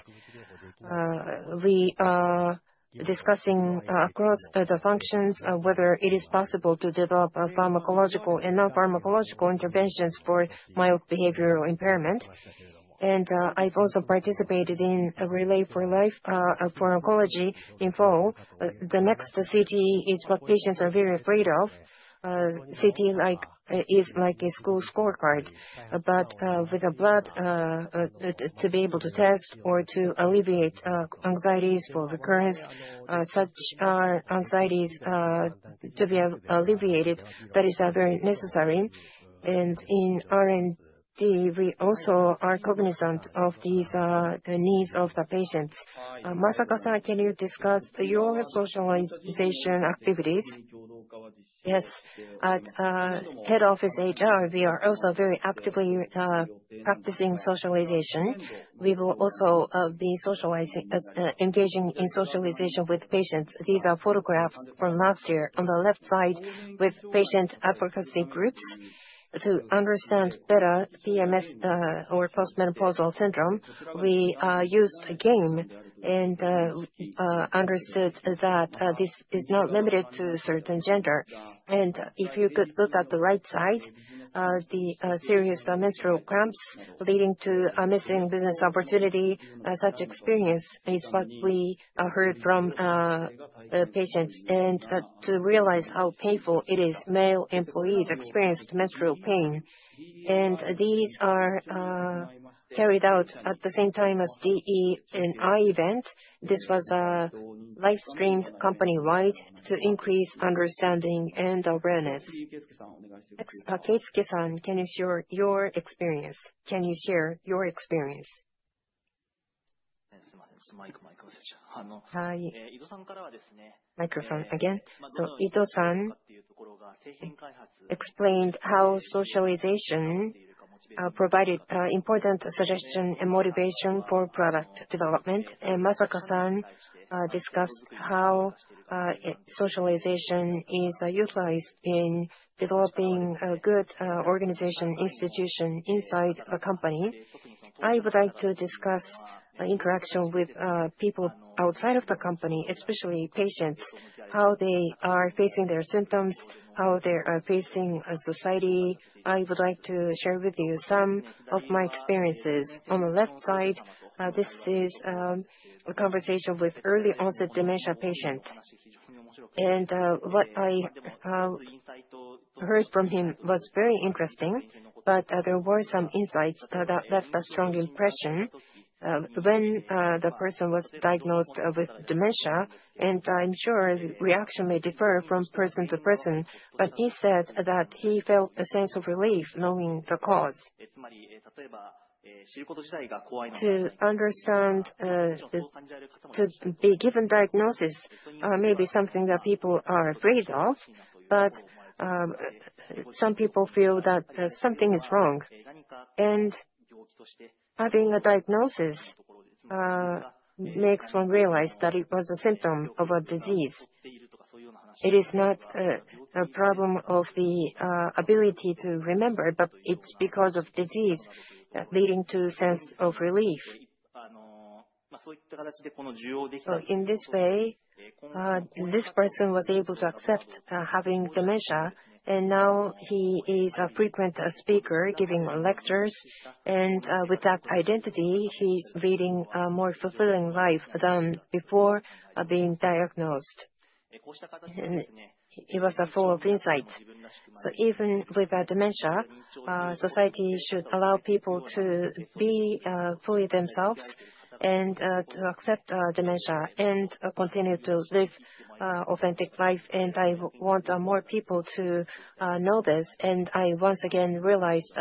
Speaker 1: We are discussing across the functions whether it is possible to develop pharmacological and non-pharmacological interventions for mild behavioral impairment, and I've also participated in Relay for Life for oncology in fall. The next CT is what patients are very afraid of. CT is like a school scorecard but with the blood to be able to test or to alleviate anxieties for recurrence. Such anxieties to be alleviated, that is very necessary, and in R&D we also are cognizant of these needs of the patients. Akana-san, can you discuss your socialization activities? Yes. At head office HR we are also very actively practicing socialization. We will also be socializing, engaging in socialization with patients. These are photographs from last year on the left side with patient advocacy groups to understand better PMS or premenstrual syndrome. We used a game and understood that this is not limited to certain gender. If you could look at the right side, the serious menstrual cramps leading to a missing business opportunity such as experience is what we heard from patients and to realize how painful it is. Male employees experienced menstrual pain, and these are carried out at the same time as DE&I event. This was a live-streamed company-wide to increase understanding and awareness. Experience, can you share your experience? Hi, microphone again. Naito-san. Explained how socialization provided important suggestion and motivation for product development and Akana-san discussed how socialization is utilized in developing a good organization institution inside the company. I would like to discuss interaction with people outside of the company, especially patients. How they are facing their symptoms, how they are facing society. I would like to share with you some of my experiences on the left side. This is a conversation with early onset dementia patients and what I. Heard from him was very interesting. But there were some insights that left a strong impression when the person was diagnosed with dementia. And I'm sure the reaction may differ from person to person. But he said that he felt a sense of relief knowing the cause. To. Understand the to be given diagnosis may be something that people are afraid of, but some people feel that something is wrong, and having a diagnosis. Makes one realize that it was a symptom of a disease. It is not a problem of the ability to remember, but it's because of disease leading to sense of relief. In this way this person was able to accept having dementia. Now he is a frequent speaker giving lectures and with that identity he's leading a more fulfilling life than before being diagnosed. He was a font of insight, so even with dementia, society should allow people to be fully themselves and to accept dementia and continue to live authentic life, and I want more people to know this, and I once again realized.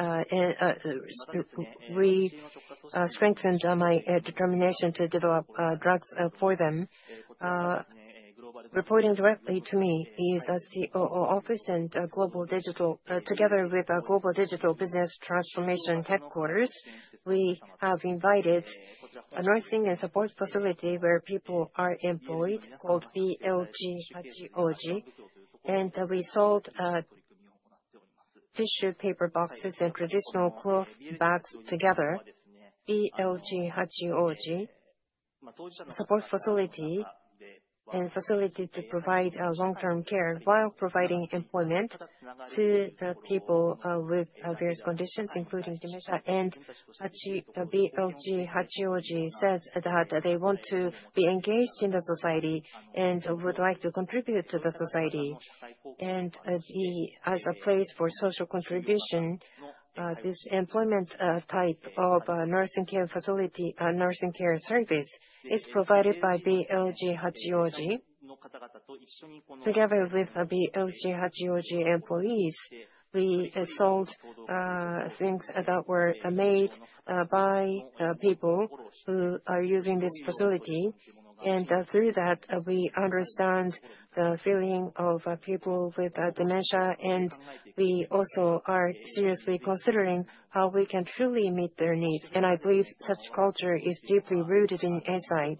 Speaker 1: Restrengthened my determination to develop drugs for them. Reporting directly to me is a COO office and Global Digital. Together with Global Digital Business Transformation Headquarters, we have invited a nursing and support facility where people are employed called DAYS BLG! Hachioji and we sold. Tissue paper boxes and traditional cloth bags together. DAYS BLG! Hachioji support facility and facility to provide long term care while providing employment to people with various conditions including dementia, and DAYS BLG! Hachioji says that they want to be engaged in the society and would like to contribute to the society and as a place for social contribution. This employment type of nursing care facility. Nursing care service is provided by DAYS BLG! Hachioji together with DAYS BLG! Hachioji employees. We sold things that were made by people who are using this facility, and through that we understand the feeling of people with dementia. And we also are seriously considering how we can truly meet their needs, and I believe such culture is deeply rooted in Eisai.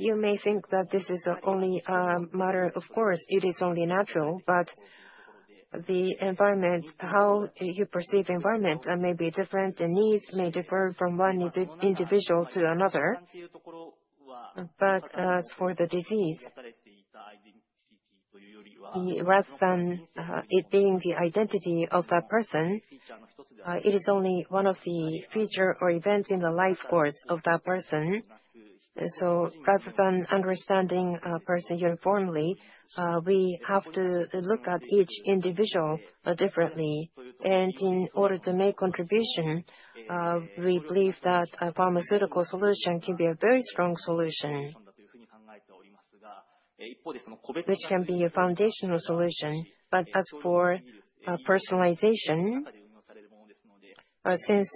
Speaker 1: You may think that this is only a matter of course. It is only natural. But the environment, how you perceive environment may be different. The needs may differ from one individual to another. But as for the disease. Rather than it being the identity of that person, it is only one of the feature or event in the life course of that person. So rather than understanding a person uniformly, we have to look at each individual differently. And in order to make contribution, we believe that a pharmaceutical solution can be a very strong solution. Which can be a foundational solution, but as for personalization. Since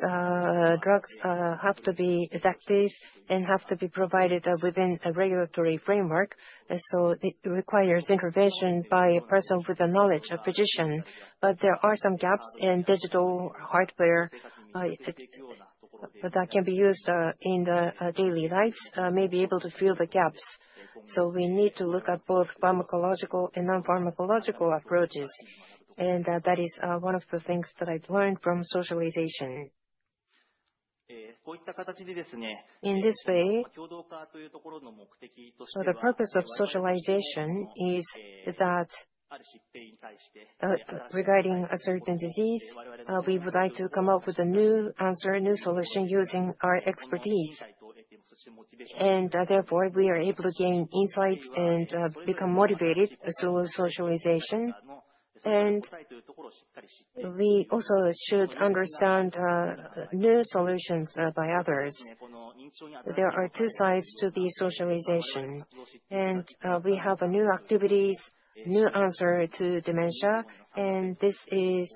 Speaker 1: drugs have to be effective and have to be provided within a regulatory framework, so it requires intervention by a person with the knowledge of physician. But there are some gaps in digital hardware devices that can be used in the daily lives may be able to fill the gaps. So we need to look at both pharmacological and non-pharmacological approaches. And that is one of the things that I've learned from socialization. In this way. The purpose of socialization is that. Regarding a certain disease, we would like to come up with a new answer, a new solution using our expert expertise. And therefore we are able to gain insights and become motivated through socialization. And we also should understand new solutions by others. There are two sides to the socialization. And we have new activities, new answer to dementia. And this is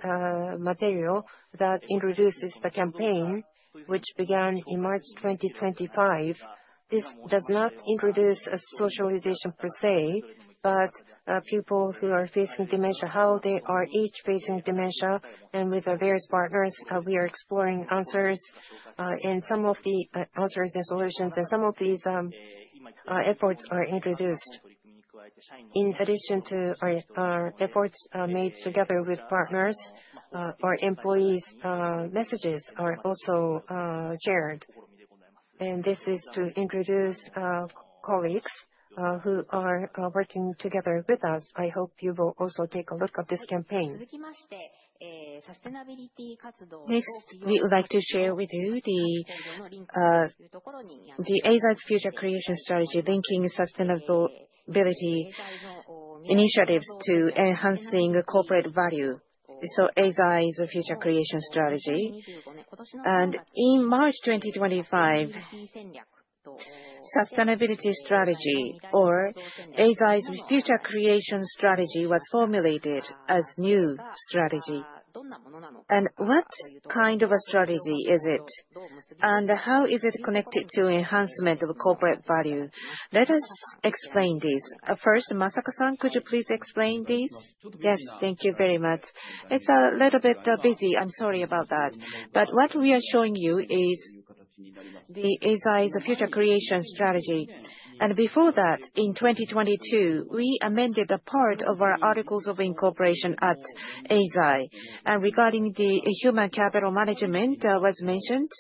Speaker 1: material that introduces the campaign which began in March 2025. This does not introduce a socialization per se, but people who are facing dementia, how they are each facing dementia. And with our various partners, we are exploring answers and some of the answers and solutions. And some of these efforts are introduced. In addition to our efforts made together with partners, our employees' messages are also shared and this is to introduce colleagues who are working together with us. I hope you will also take a look at this campaign. Next, we would like to share with you the. Eisai Future Creation Strategy linking sustainable initiatives to enhancing corporate value. So Eisai's Future Creation Strategy and in March 2025. Sustainability strategy or Eisai's Future Creation Strategy was formulated as new strategy, and what kind of a strategy is it and how is it connected to enhancement of corporate value? Let us explain this first, Mr. Akana. Could you please explain this? Yes, thank you very much. It's a little bit busy. I'm sorry about that, but what we are showing you is Eisai's Future Creation Strategy, and before that, in 2022 we amended a part of our Articles of Incorporation at Eisai, and regarding the Human Capital Management was mentioned.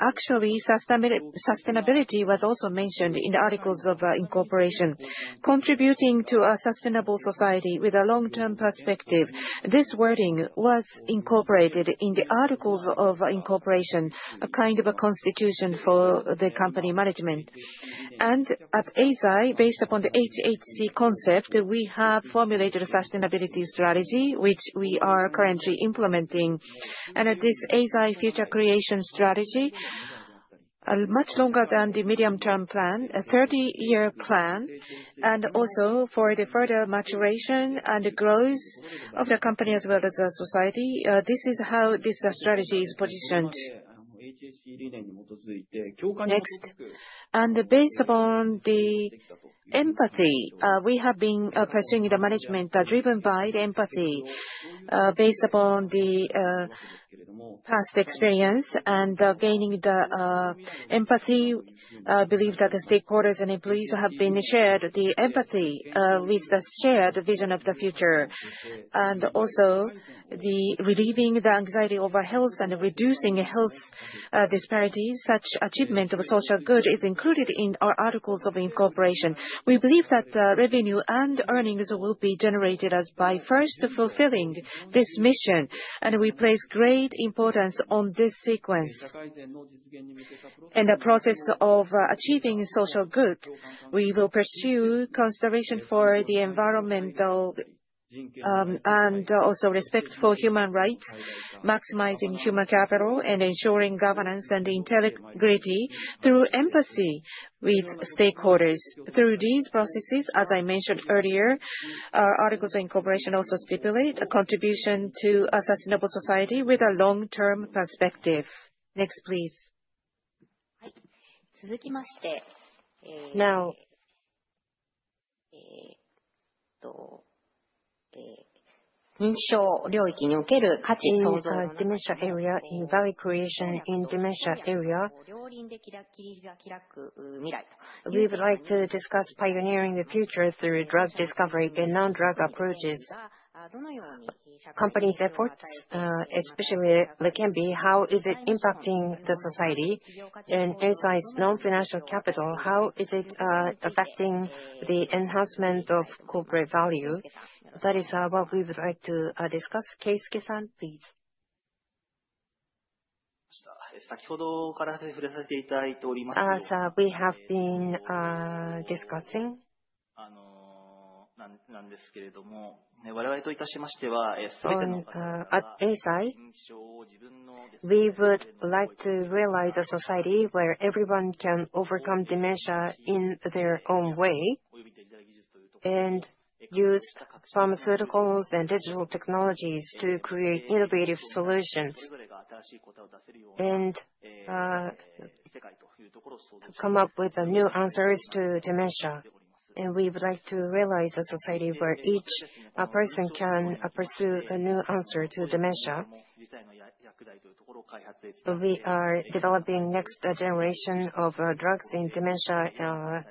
Speaker 1: Actually sustainability was also mentioned in the Articles of Incorporation: Contributing to a sustainable society with a long-term perspective. This wording was incorporated in the Articles of Incorporation, a kind of a constitution for the company management, and at Eisai, based upon the hhc concept, we have formulated a sustainability strategy which we are currently implementing, and this Eisai Future Creation Strategy, much longer than the medium-term plan, a 30-year plan, and also for the further maturation and growth of the company as well as the society. This is how this strategy is positioned. Next, and based upon the empathy we have been pursuing, the management driven by the empathy based upon the past experience and gaining the empathy believe that the stakeholders and employees have been shared the empathy with the shared vision of the future and also the relieving the anxiety over health and reducing health disparities. Such achievement of social good is included in our Articles of Incorporation. We believe that revenue and earnings will be generated as by first fulfilling this mission and we place great importance on this sequence. In the process of achieving social good, we will pursue consideration for the environment and also respect for human rights. Maximizing human capital and ensuring governance and integrity through empathy with stakeholders through these processes. As I mentioned earlier, Articles of Incorporation also stipulate contributions to a sustainable society with a long-term perspective. Next, please. We would like to discuss pioneering the future through drug discovery and non-drug approaches. Company's efforts, especially Leqembi, how is it impacting the society and Eisai's non-financial capital, how is it affecting the enhancement of corporate value? That is what we would like to Keisuke-san, please. As we have been discussing. At Eisai, we would like to realize a society where everyone can overcome dementia in their own way and use pharmaceuticals and digital technologies to create innovative solutions. And. Come up with new answers to dementia. And we would like to realize a society where each person can pursue a new answer to dementia. We are developing next generation of drugs in dementia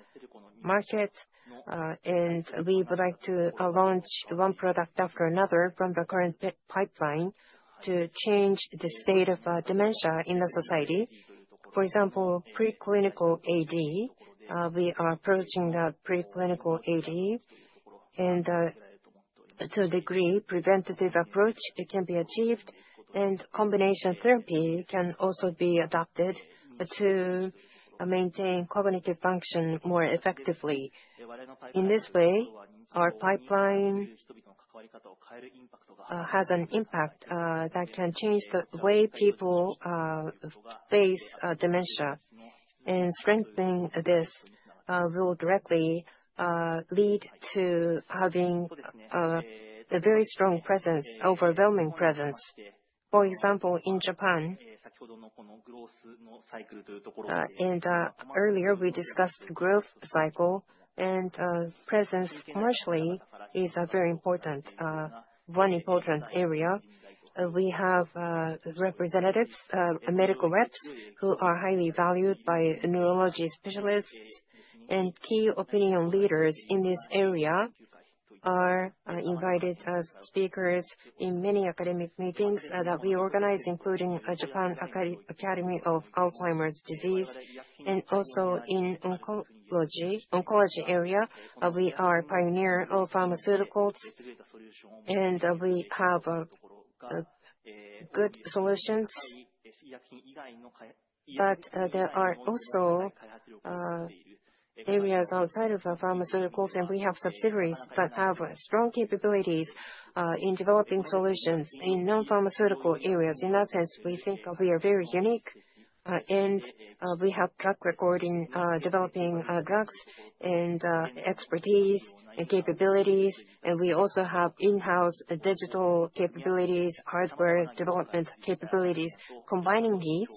Speaker 1: market and we would like to launch one product after another from the current pipeline to change the state of dementia in the society. For example, preclinical AD. We are approaching the preclinical AD and to a degree, preventative approach can be achieved and combination therapy can also be adapted to maintain cognitive function more effectively. In this way, our pipeline. has an impact that can change the way people face dementia, and strengthening this will directly lead to having a very strong presence, overwhelming presence. For example, in Japan. Earlier we discussed growth cycle and presence commercially is a very important one important area. We have representatives, medical reps who are highly valued by neurology specialists and key opinion leaders in this area are invited as speakers in many academic meetings that we organize. Including Japan Society for Dementia Research and also in oncology area. We are pioneer of pharmaceuticals and we have. Good solutions. But there are also. Areas outside of pharmaceuticals, and we have subsidiaries that have strong capabilities in developing solutions in non-pharmaceutical areas. In that sense, we think we are very unique and we have track record in developing drugs and expertise and capabilities, and we also have in-house digital capabilities, hardware development capabilities. Combining these,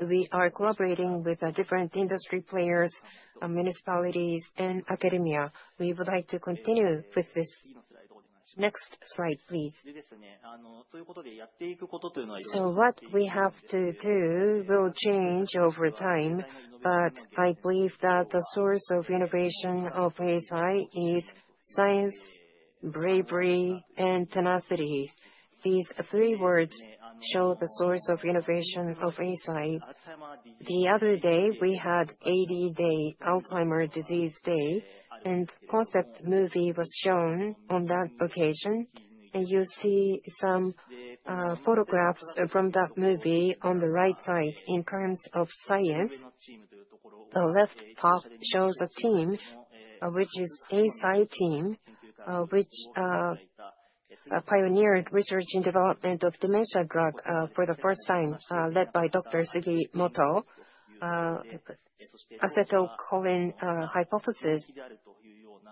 Speaker 1: we are collaborating with different industry players, municipalities, and academia. We would like to continue with this next next slide, please. So what we have to do will change over time. But I believe that the source of innovation of Eisai's science, bravery and tenacity. These three words show the source of innovation of Eisai. The other day we had AD Day, Alzheimer's Disease Day and concept movie was shown on that occasion, and you see some photographs from that movie. On the right side, in terms of science, the left part shows a team which is Eisai team which. Pioneered research and development of dementia drug for the first time led by Dr. Sugimoto. Acetylcholine hypothesis,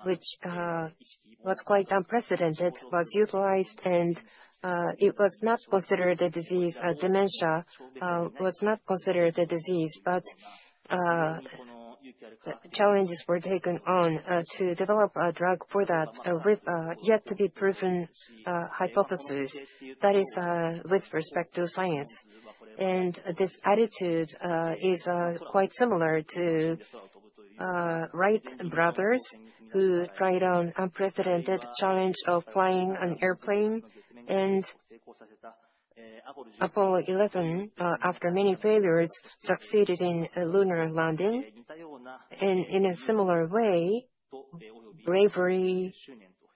Speaker 1: which was quite unprecedented, was utilized and it was not considered a disease. Dementia was not considered a disease. But. Challenges were taken on to develop a drug for that with yet to be proven hypothesis. That is with respect to science, and this attitude is quite similar to Wright brothers who tried an unprecedented challenge of flying an airplane. Apollo 11, after many failures, succeeded in a lunar landing, and in a similar way, bravery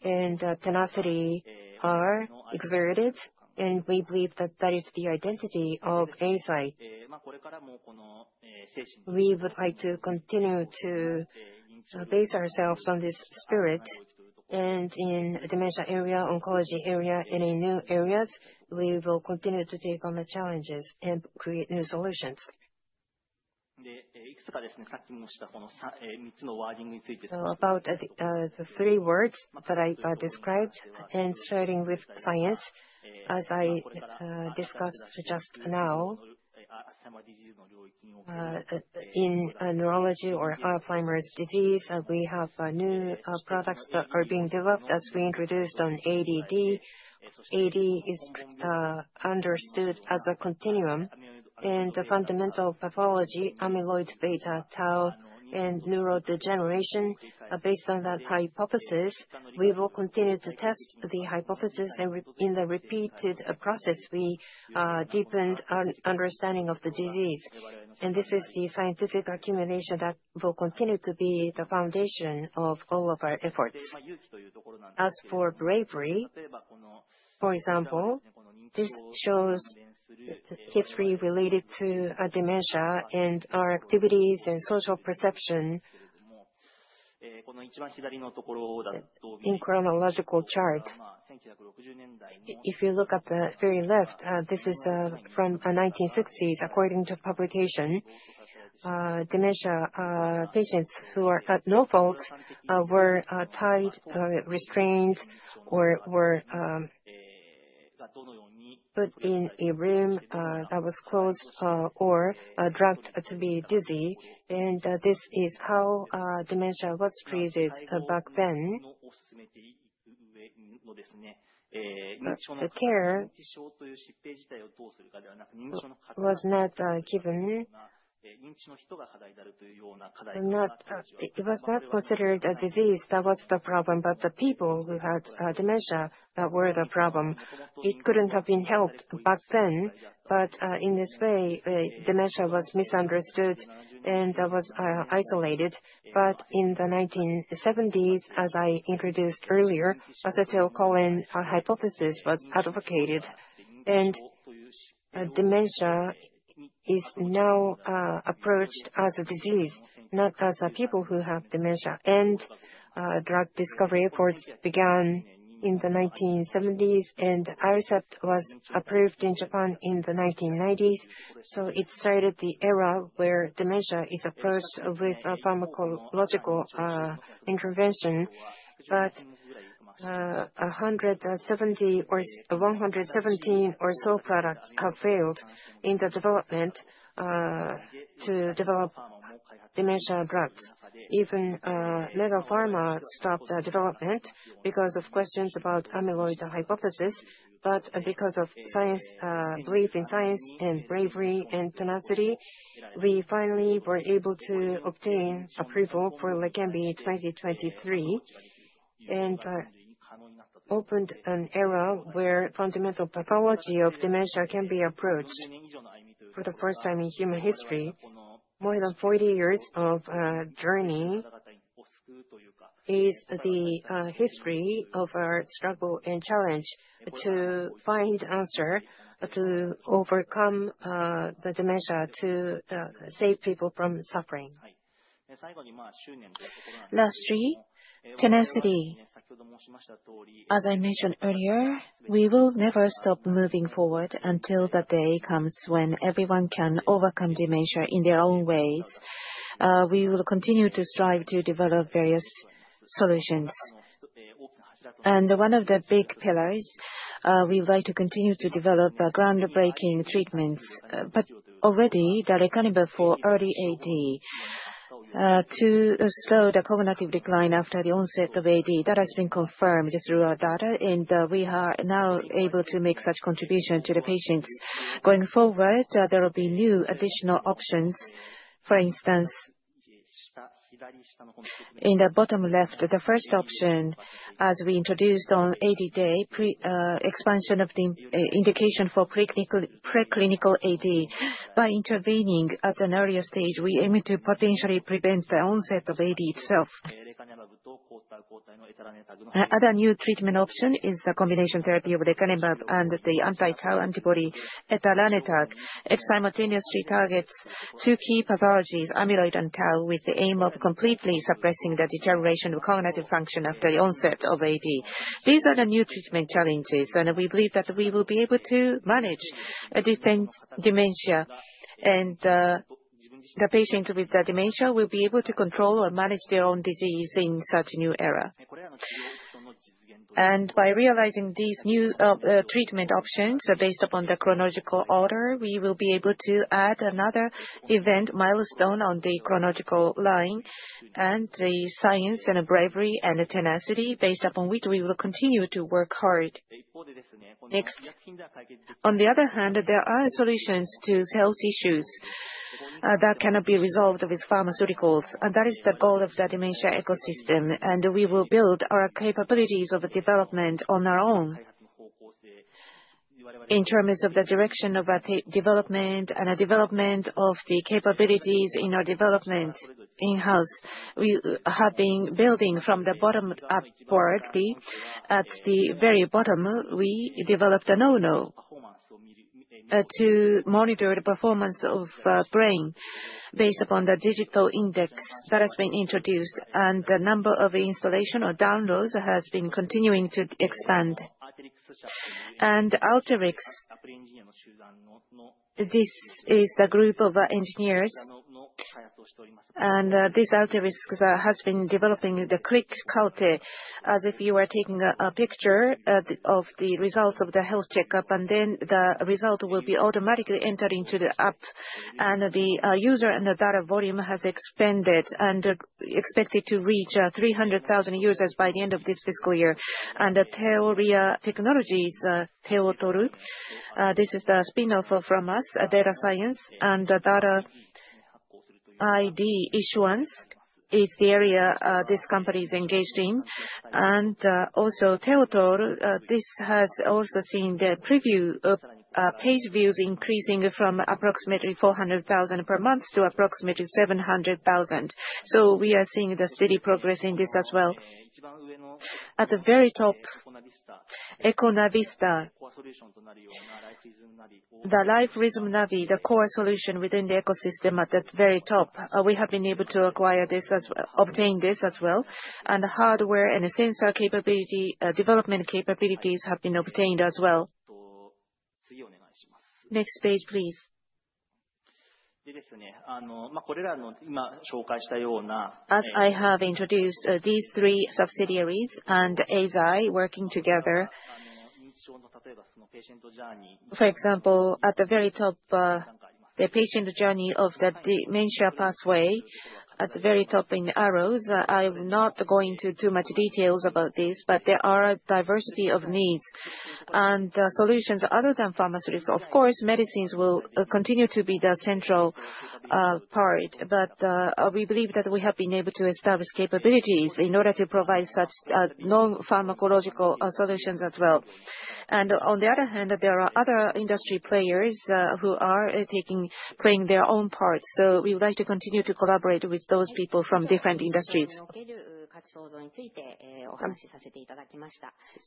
Speaker 1: and tenacity are exerted and we believe that that is the identity of Eisai. We would like to continue to base ourselves on this spirit and in dementia area, oncology area and in new areas. We will continue to take on the challenges and create new solutions. About the three words that I described and starting with science, as I discussed just now. In neurology or Alzheimer's disease, we have new products that are being developed as we introduced on AD. AD is understood as a continuum and the fundamental pathology amyloid beta, tau and neurodegeneration. Based on that hypothesis, we will continue to test the hypothesis. In the repeated process, we deepened our understanding of the disease, and this is the scientific accumulation that will continue to be the foundation of all of our efforts. As for bravery, for example, this shows history related to dementia and our activities and social perception. In chronological chart. If you look at the very left, this is from 1960s. According to publication, dementia patients who are at no fault were tied, restrained or were. Put in a room that was closed or drugged to be dizzy, and this is how dementia was treated back then. The care. Was not given. It was not considered a disease that was the problem. But the people who had dementia that were the problem, it couldn't have been helped back then. But in this way, dementia was misunderstood and was isolated. But in the 1970s, as I introduced earlier, acetylcholine hypothesis was advocated and dementia is now approached as a disease, not as people who have dementia. And drug discovery reports began in the 1970s and Aricept was approved in Japan in the 1990s. So it started the era where dementia is approached with pharmacological intervention. But. 117 or so products have failed in the development. To develop dementia drugs. Even Big Pharma stopped development because of questions about amyloid hypothesis, but because of science, belief in science and bravery and tenacity, we finally were able to obtain approval for Leqembi 2023 and opened an era where fundamental pathology of dementia can be approached for the first time in human history. More than 40 years of journey. is the history of our struggle and challenge to find answer to overcome the dementia to save people from suffering. Last, tenacity. As I mentioned earlier, we will never stop moving forward, until the day comes when everyone can overcome dementia in their own ways. We will continue to strive to develop various solutions, and one of the big pillars we would like to continue to develop groundbreaking treatments. But already, that accounts for early AD. To slow the cognitive decline after the onset of AD that has been confirmed through our data and we are now able to make such contribution to the patients. Going forward, there will be new additional options. For instance. In the bottom left, the first option, as we introduced on AD Day, expansion of the indication for preclinical AD. By intervening at an earlier stage, we aim to potentially prevent the onset of AD itself. Other new treatment option is a combination therapy of the lecanemab and the anti-tau antibody E2814. It simultaneously targets two key pathologies, amyloid and tau, with the aim of completely suppressing the deterioration of cognitive function at the onset of AD. These are the new treatment challenges and we believe that we will be able to manage different dementia and the patient with the dementia will be able to control or manage their own disease in such new era. And by realizing these new treatment options based upon the chronological order, we will be able to add another event milestone on the chronological line, and the science and bravery and tenacity based upon which we will continue to work hard. Next, on the other hand, there are solutions to health issues that cannot be resolved with pharmaceuticals, and that is the goal of the dementia ecosystem, and we will build our capabilities of development on our. Own. In terms of the direction of development and the development of the capabilities in our development in house we have been building from the bottom upward. At the very bottom we developed a NouKNOW to monitor the performance of brain based upon the digital index that has been introduced and the number of installation or downloads has been continuing to expand and Arteryex. This is the group of engineers. This Arteryex has been developing the Pashatto Karte as if you are taking a picture of the results of the health checkup and then the result will be automatically entered into the app and the user and the data volume has expanded and expected to reach 300,000 users by the end of this fiscal year. Theoria Technologies. This is the spinoff from U.S. data science and digital ID issuance is the area this company is engaged in and also Theoria. This has also seen the number of page views increasing from approximately 400,000 per month to approximately 700,000 so we are seeing the steady progress in this as well. At the very top, EcoNaviSta. The Life Rhythm Navi, the core solution within the ecosystem, at the very top we have been able to acquire this as obtain this as well, and hardware and sensor capability development capabilities have been obtained as well. As. Next page please. As I have introduced these three subsidiaries and Eisai working together. For example, at the very top, the patient journey of the dementia pathway at the very top in arrows. I will not go into too much details about this, but there are a diversity of needs and solutions other than pharmaceuticals. Of course, medicines will continue to be the central part, but we believe that we have been able to establish capabilities in order to provide such non-pharmacological solutions as well. On the other hand, there are other industry players who are playing their own part. So we would like to continue to collaborate with those people from different industries.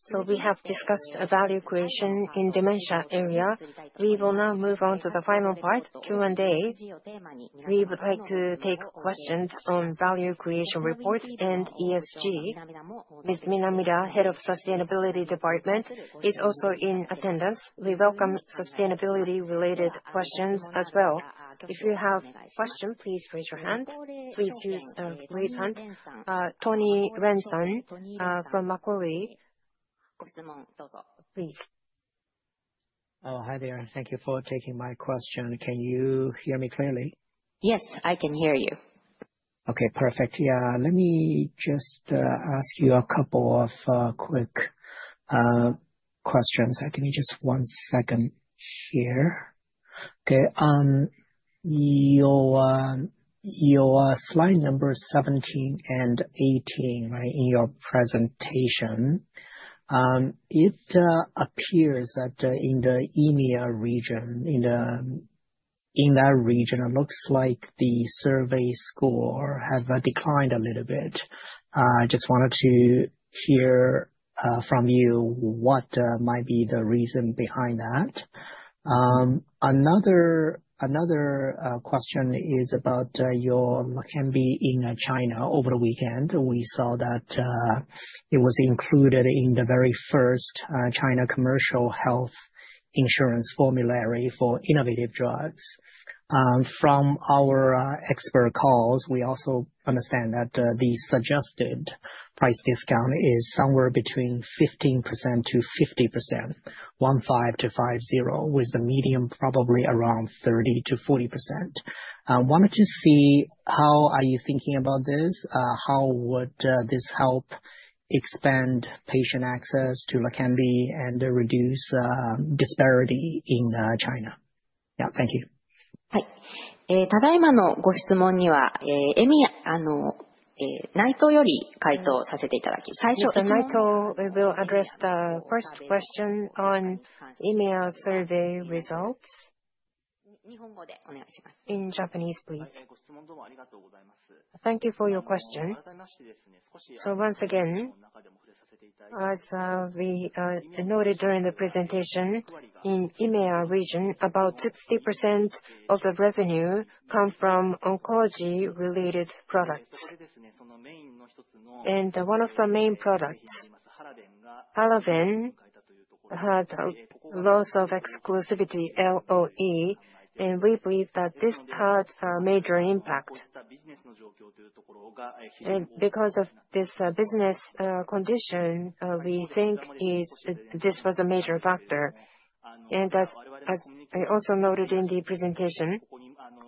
Speaker 1: So we have discussed value creation in dementia area. We will now move on to the final part Q&A. We would like to take questions on Value Creation Report and ESG. Ms. Minamida, Head of Sustainability Department is also in attendance. We welcome sustainability related questions as well. If you have question please raise your hand. Please raise hand. Tony Ren from Macquarie. Please.
Speaker 2: Oh, hi there. Thank you for taking my question. Can you hear me clearly?
Speaker 1: Yes, I can hear you. Okay, perfect. Yeah. Let me just ask you a couple of quick. Questions. Give me just one second here. Okay. Your slide number 17 and 18 in your presentation. It appears that in the EMEA region. In that region it looks like the survey score has declined a little bit. I just wanted to hear from you what might be the reason behind that. Another question is about your Leqembi in China. Over the weekend we saw that it was included in the very first China commercial health insurance formulary for innovative drugs. From our expert calls we also understand that the suggested price discount is somewhere between 15% to 50%, 15 to 50 with the median probably around 30% to 40%. Wanted to see how are you thinking about this? How would this help expand patient access to Leqembi and reduce disparity in China? Yeah, thank you. Mr. Naito. We will address the first question on EMEA survey results. In Japanese, please. Thank you for your question. So once again as we noted during the presentation in EMEA region about 60% of the revenue come from oncology related products. And one of the main products Halaven had loss of exclusivity LOE and we believe that this had a major impact. And because of this business condition, we think is this was a major factor, and as I also noted in the presentation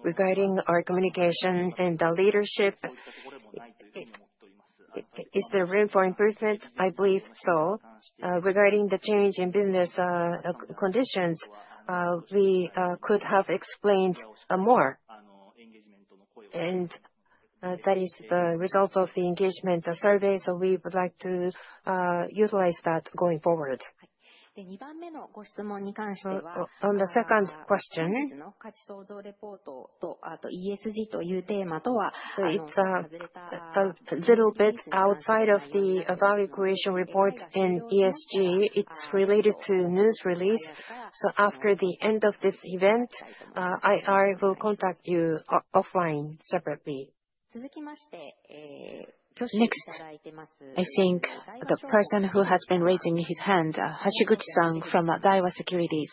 Speaker 1: regarding our communication and the leadership. Is there room for improvement? I believe so. Regarding the change in business conditions, we could have explained more. That is the result of the engagement survey. We would like to utilize that going forward. On the second question. It's a little bit outside of the Value Creation Report in ESG. It's related to news release. So after the end of this event IR will contact you offline separately. Next, I think the person who has been raising his hand, Hashiguchi-san from Daiwa Securities.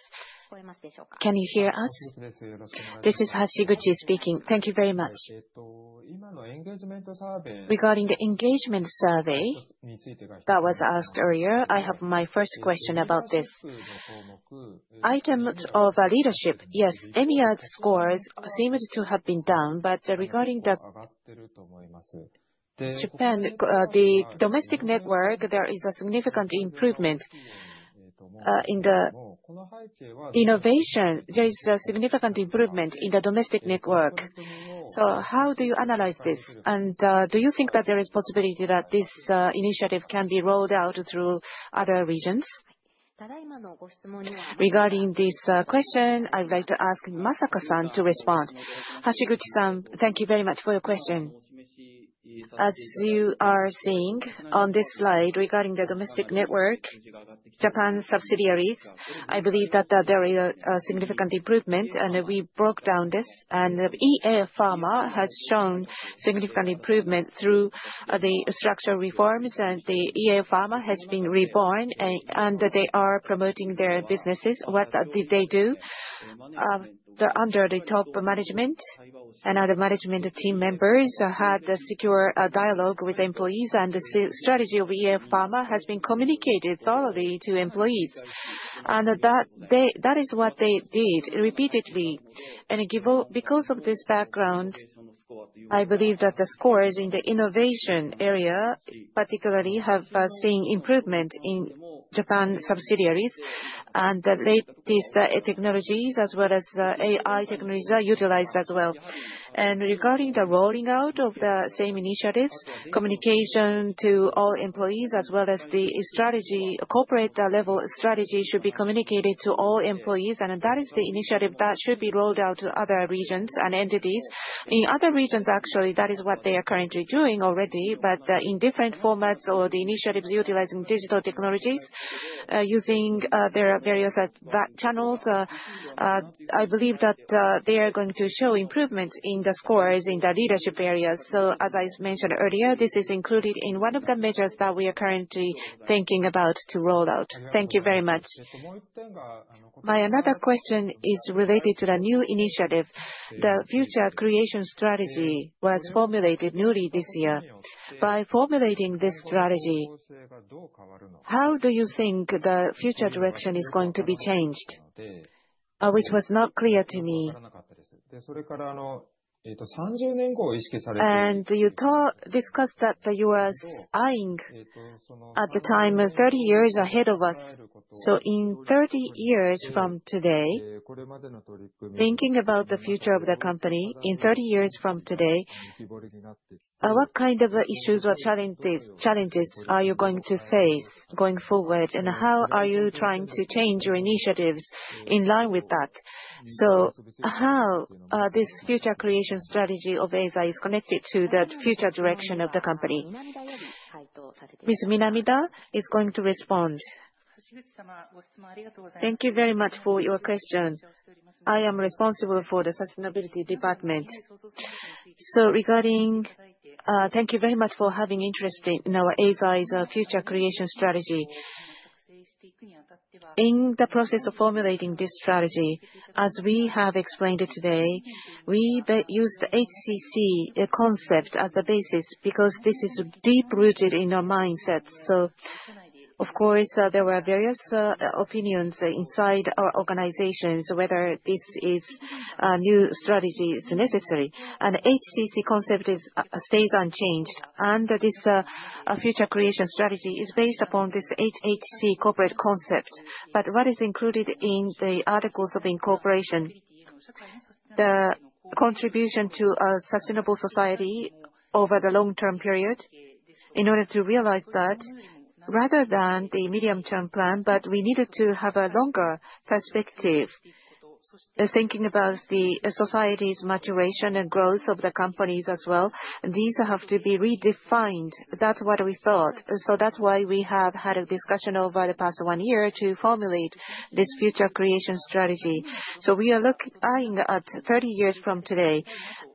Speaker 1: Can you hear us? This is Hashiguchi speaking. Thank you very much. Regarding the engagement survey that was asked earlier, I have my first question about this item of leadership. Yes, Eisai's scores seemed to have been down, but regarding the. Japan, the domestic network, there is a significant improvement in the innovation. There is a significant improvement in the domestic network. So how do you analyze this, and do you think that there is a possibility that this initiative can be rolled out through other regions? Regarding this question, I would like to ask Akana-san to respond to Hashiguchi-san. Thank you very much for your question. As you are seeing on this slide, regarding the domestic network, Japan's subsidiaries, I believe that there is a significant improvement and we broke down this and EA Pharma has shown significant improvement through the structural reforms and the EA Pharma has been reborn and they are promoting their business. What did they do under the top management and other management team members had secure a dialogue with employees and the strategy of EA Pharma has been communicated thoroughly to employees and that is what they did repeatedly, and because of this background, I believe that the scores in the innovation area particularly have seen improvement in Japan subsidiaries and the latest technologies as well as AI technologies are utilized as well. And regarding the rolling out of the same initiatives, communication to all employees as well as the strategy, corporate level strategy should be communicated to all employees and that is the initiative that should be rolled out to other regions and entities in other regions. Actually that is what they are currently doing already, but in different formats or the initiatives utilizing digital technologies using their various channels. I believe that they are going to show improvements in the scores in the leadership areas. So as I mentioned earlier, this is included in one of the measures that we are currently thinking about to roll out. Thank you very much. My other question is related to the new initiative. The Future Creation Strategy was formulated newly this year. By formulating this strategy, how do you think the future direction is going to be changed? Which was not clear to me. And. You discussed that you are eyeing a time 30 years ahead of us, so in 30 years from today. Thinking about the future of the company in 30 years from today, what kind of issues or challenges are you going to face going forward and how are you trying to change your initiatives in line with that? So how this Future Creation Strategy of Eisai's connected to the future direction of the company? Ms. Minamida is going to respond. Thank you very much for your question. I am responsible for the Sustainability Department. So, regarding thank you very much for having interest in our Eisai's Future Creation Strategy. In the process of formulating this strategy, as we have explained today, we use the hhc concept as the basis because this is deep-rooted in our mindsets. So of course there were various opinions inside our organizations whether this new strategy is necessary and hhc concept stays unchanged and this Future Creation Strategy is based upon this hhc corporate concept. But what is included in the Articles of Incorporation, the contribution to a sustainable society over the long-term period. In order to realize that rather than the medium-term plan. But we needed to have a longer perspective thinking about the society's maturation and growth of the companies as well. These have to be redefined. That's what we thought. So that's why we have had a discussion over the past one year to formulate this Future Creation Strategy. We are looking ahead at 30 years from today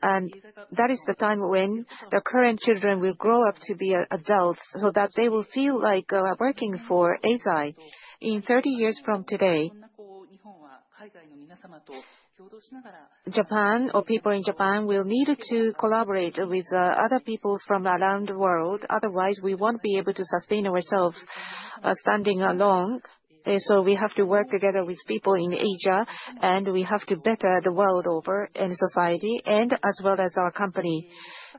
Speaker 1: and that is the time when the current children will grow up to be adults so that they will feel like working for Eisai in 30 years from today. Japan or people in Japan will need to collaborate with other people from around the world. Otherwise we won't be able to sustain ourselves standing alone. So we have to work together with people in Asia and we have to better the world over in society and as well as our company.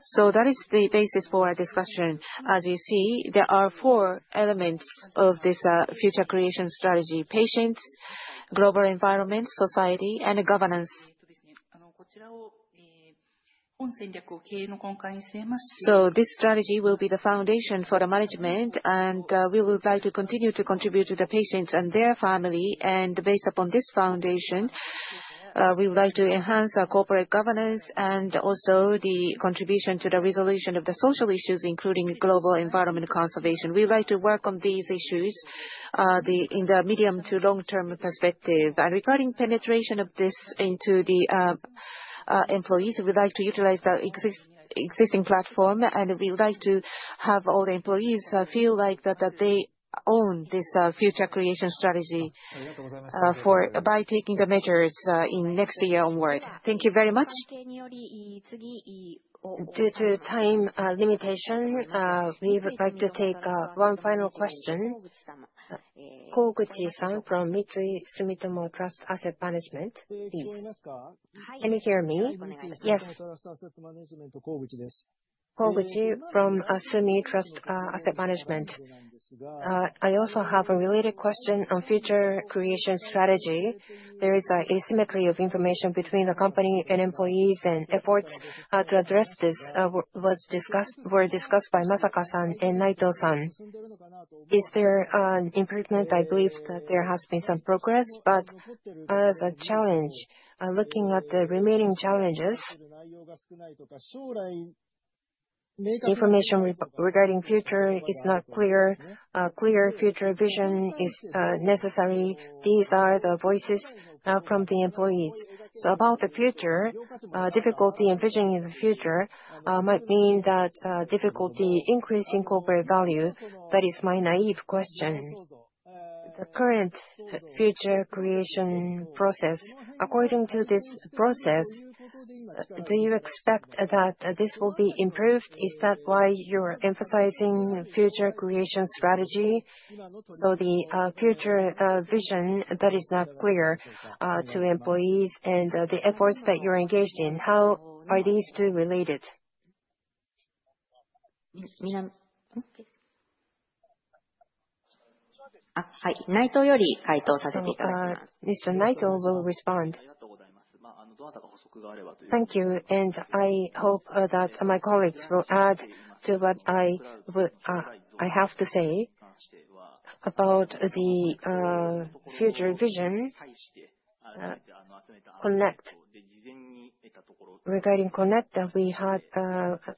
Speaker 1: So that is the basis for our discussion. As you see, there are four elements of this Future Creation Strategy: patients, global environment, society and governance. So this strategy will be the foundation for the management and we would like to continue to contribute to the patients and their family. And based upon this foundation. We would like to enhance our corporate governance and also the contribution to the resolution of the social issues including global environment conservation. We would like to work on these issues in the medium- to long-term perspective and regarding penetration of this into the employees. We would like to utilize the existing platform, and we would like to have all the employees feel like they own this Future Creation Strategy by taking the measures in next year onward. Thank you very much. Due to time limitation, we would like to take one final question. Koguchi-san from Sumitomo Mitsui Trust Asset Management. Please, can you hear me?
Speaker 3: Yes.
Speaker 4: From Sumitomo Mitsui Trust Asset Management. I also have a related question on Future Creation Strategy. There is an asymmetry of information between the company and employees and efforts to address this was discussed by Akana-san and Naito-san. Is there an improvement? I believe that there has been some progress but as a challenge looking at the remaining challenges. Information regarding future is not clear. Clear future vision is necessary. These are the voices from the employees so about the future. Difficulty envisioning in the future might mean that difficulty increasing corporate value. That is my naive question. The current future creation process, according to this process, do you expect that this will be improved? Is that why you're emphasizing Future Creation Strategy? So the future vision that is not clear to employees and the efforts that you're engaged in, how are these two related? Mr. Naito will respond. Thank you, and I hope that my colleagues will add to what I have to say about the future vision. Kincentric. Regarding Kincentric, we had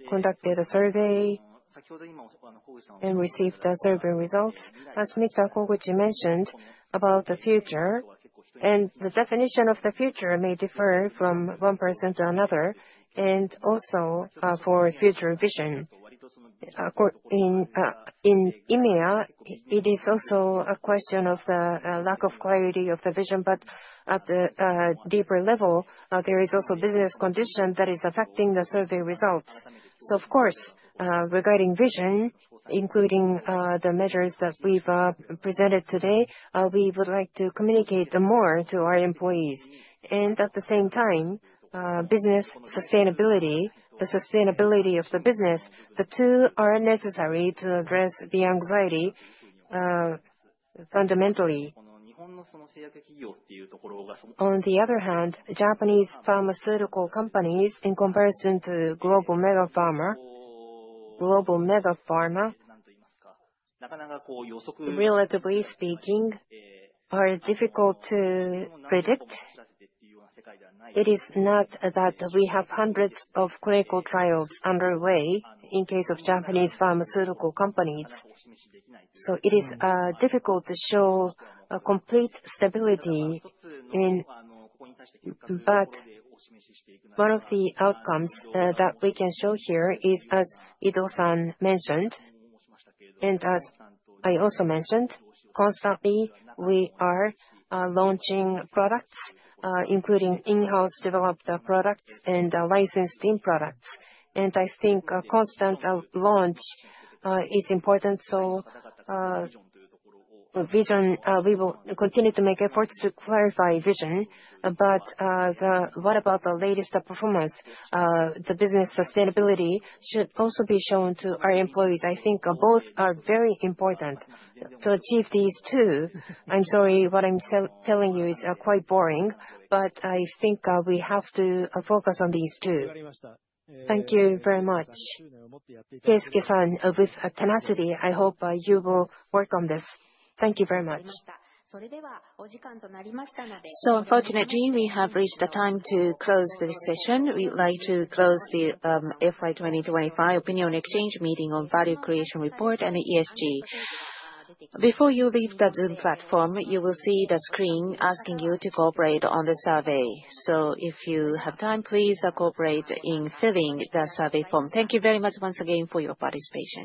Speaker 4: conducted a survey. And received sober results. As Mr. Koguchi mentioned, about the future. And the definition of the future may differ from one person to another. And also for future vision. In EMEA, it is also a question of the lack of clarity of the vision. But at the deeper level, there is also business condition that is affecting the survey results. So of course regarding vision, including the measures that we've presented today, we would like to communicate more to our employees and at the same time business sustainability. The sustainability of the business. The two are necessary to address the anxiety. Fundamentally. On the other hand, Japanese pharmaceutical companies in comparison to global Big Pharma. Relatively speaking, are difficult to predict. It is not that we have hundreds of clinical trials underway in case of Japanese pharmaceutical companies, so it is difficult to show complete stability. But one of the outcomes that we can show here is as Naito-san mentioned and as I also mentioned, constantly we are launching products, including in-house developed products and licensed-in products. And I think constant launch is important. So. Vision. We will continue to make efforts to clarify vision. But what about the latest performance? The business sustainability should also be shown to our employees. I think both are very important to achieve these two. I'm sorry, what I'm telling you is quite boring, but I think we have to focus on these two. Thank you very much. Keisuke-san with tenacity. I hope you will work on this. Thank you very much. Unfortunately, we have reached the time to close this session. We'd like to close the FY 2025 opinion exchange meeting on Value Creation Report and ESG. Before you leave the Zoom platform, you will see the screen asking you to cooperate on the survey. So if you have time, please cooperate in filling the survey form. Thank you very much once again for your participation.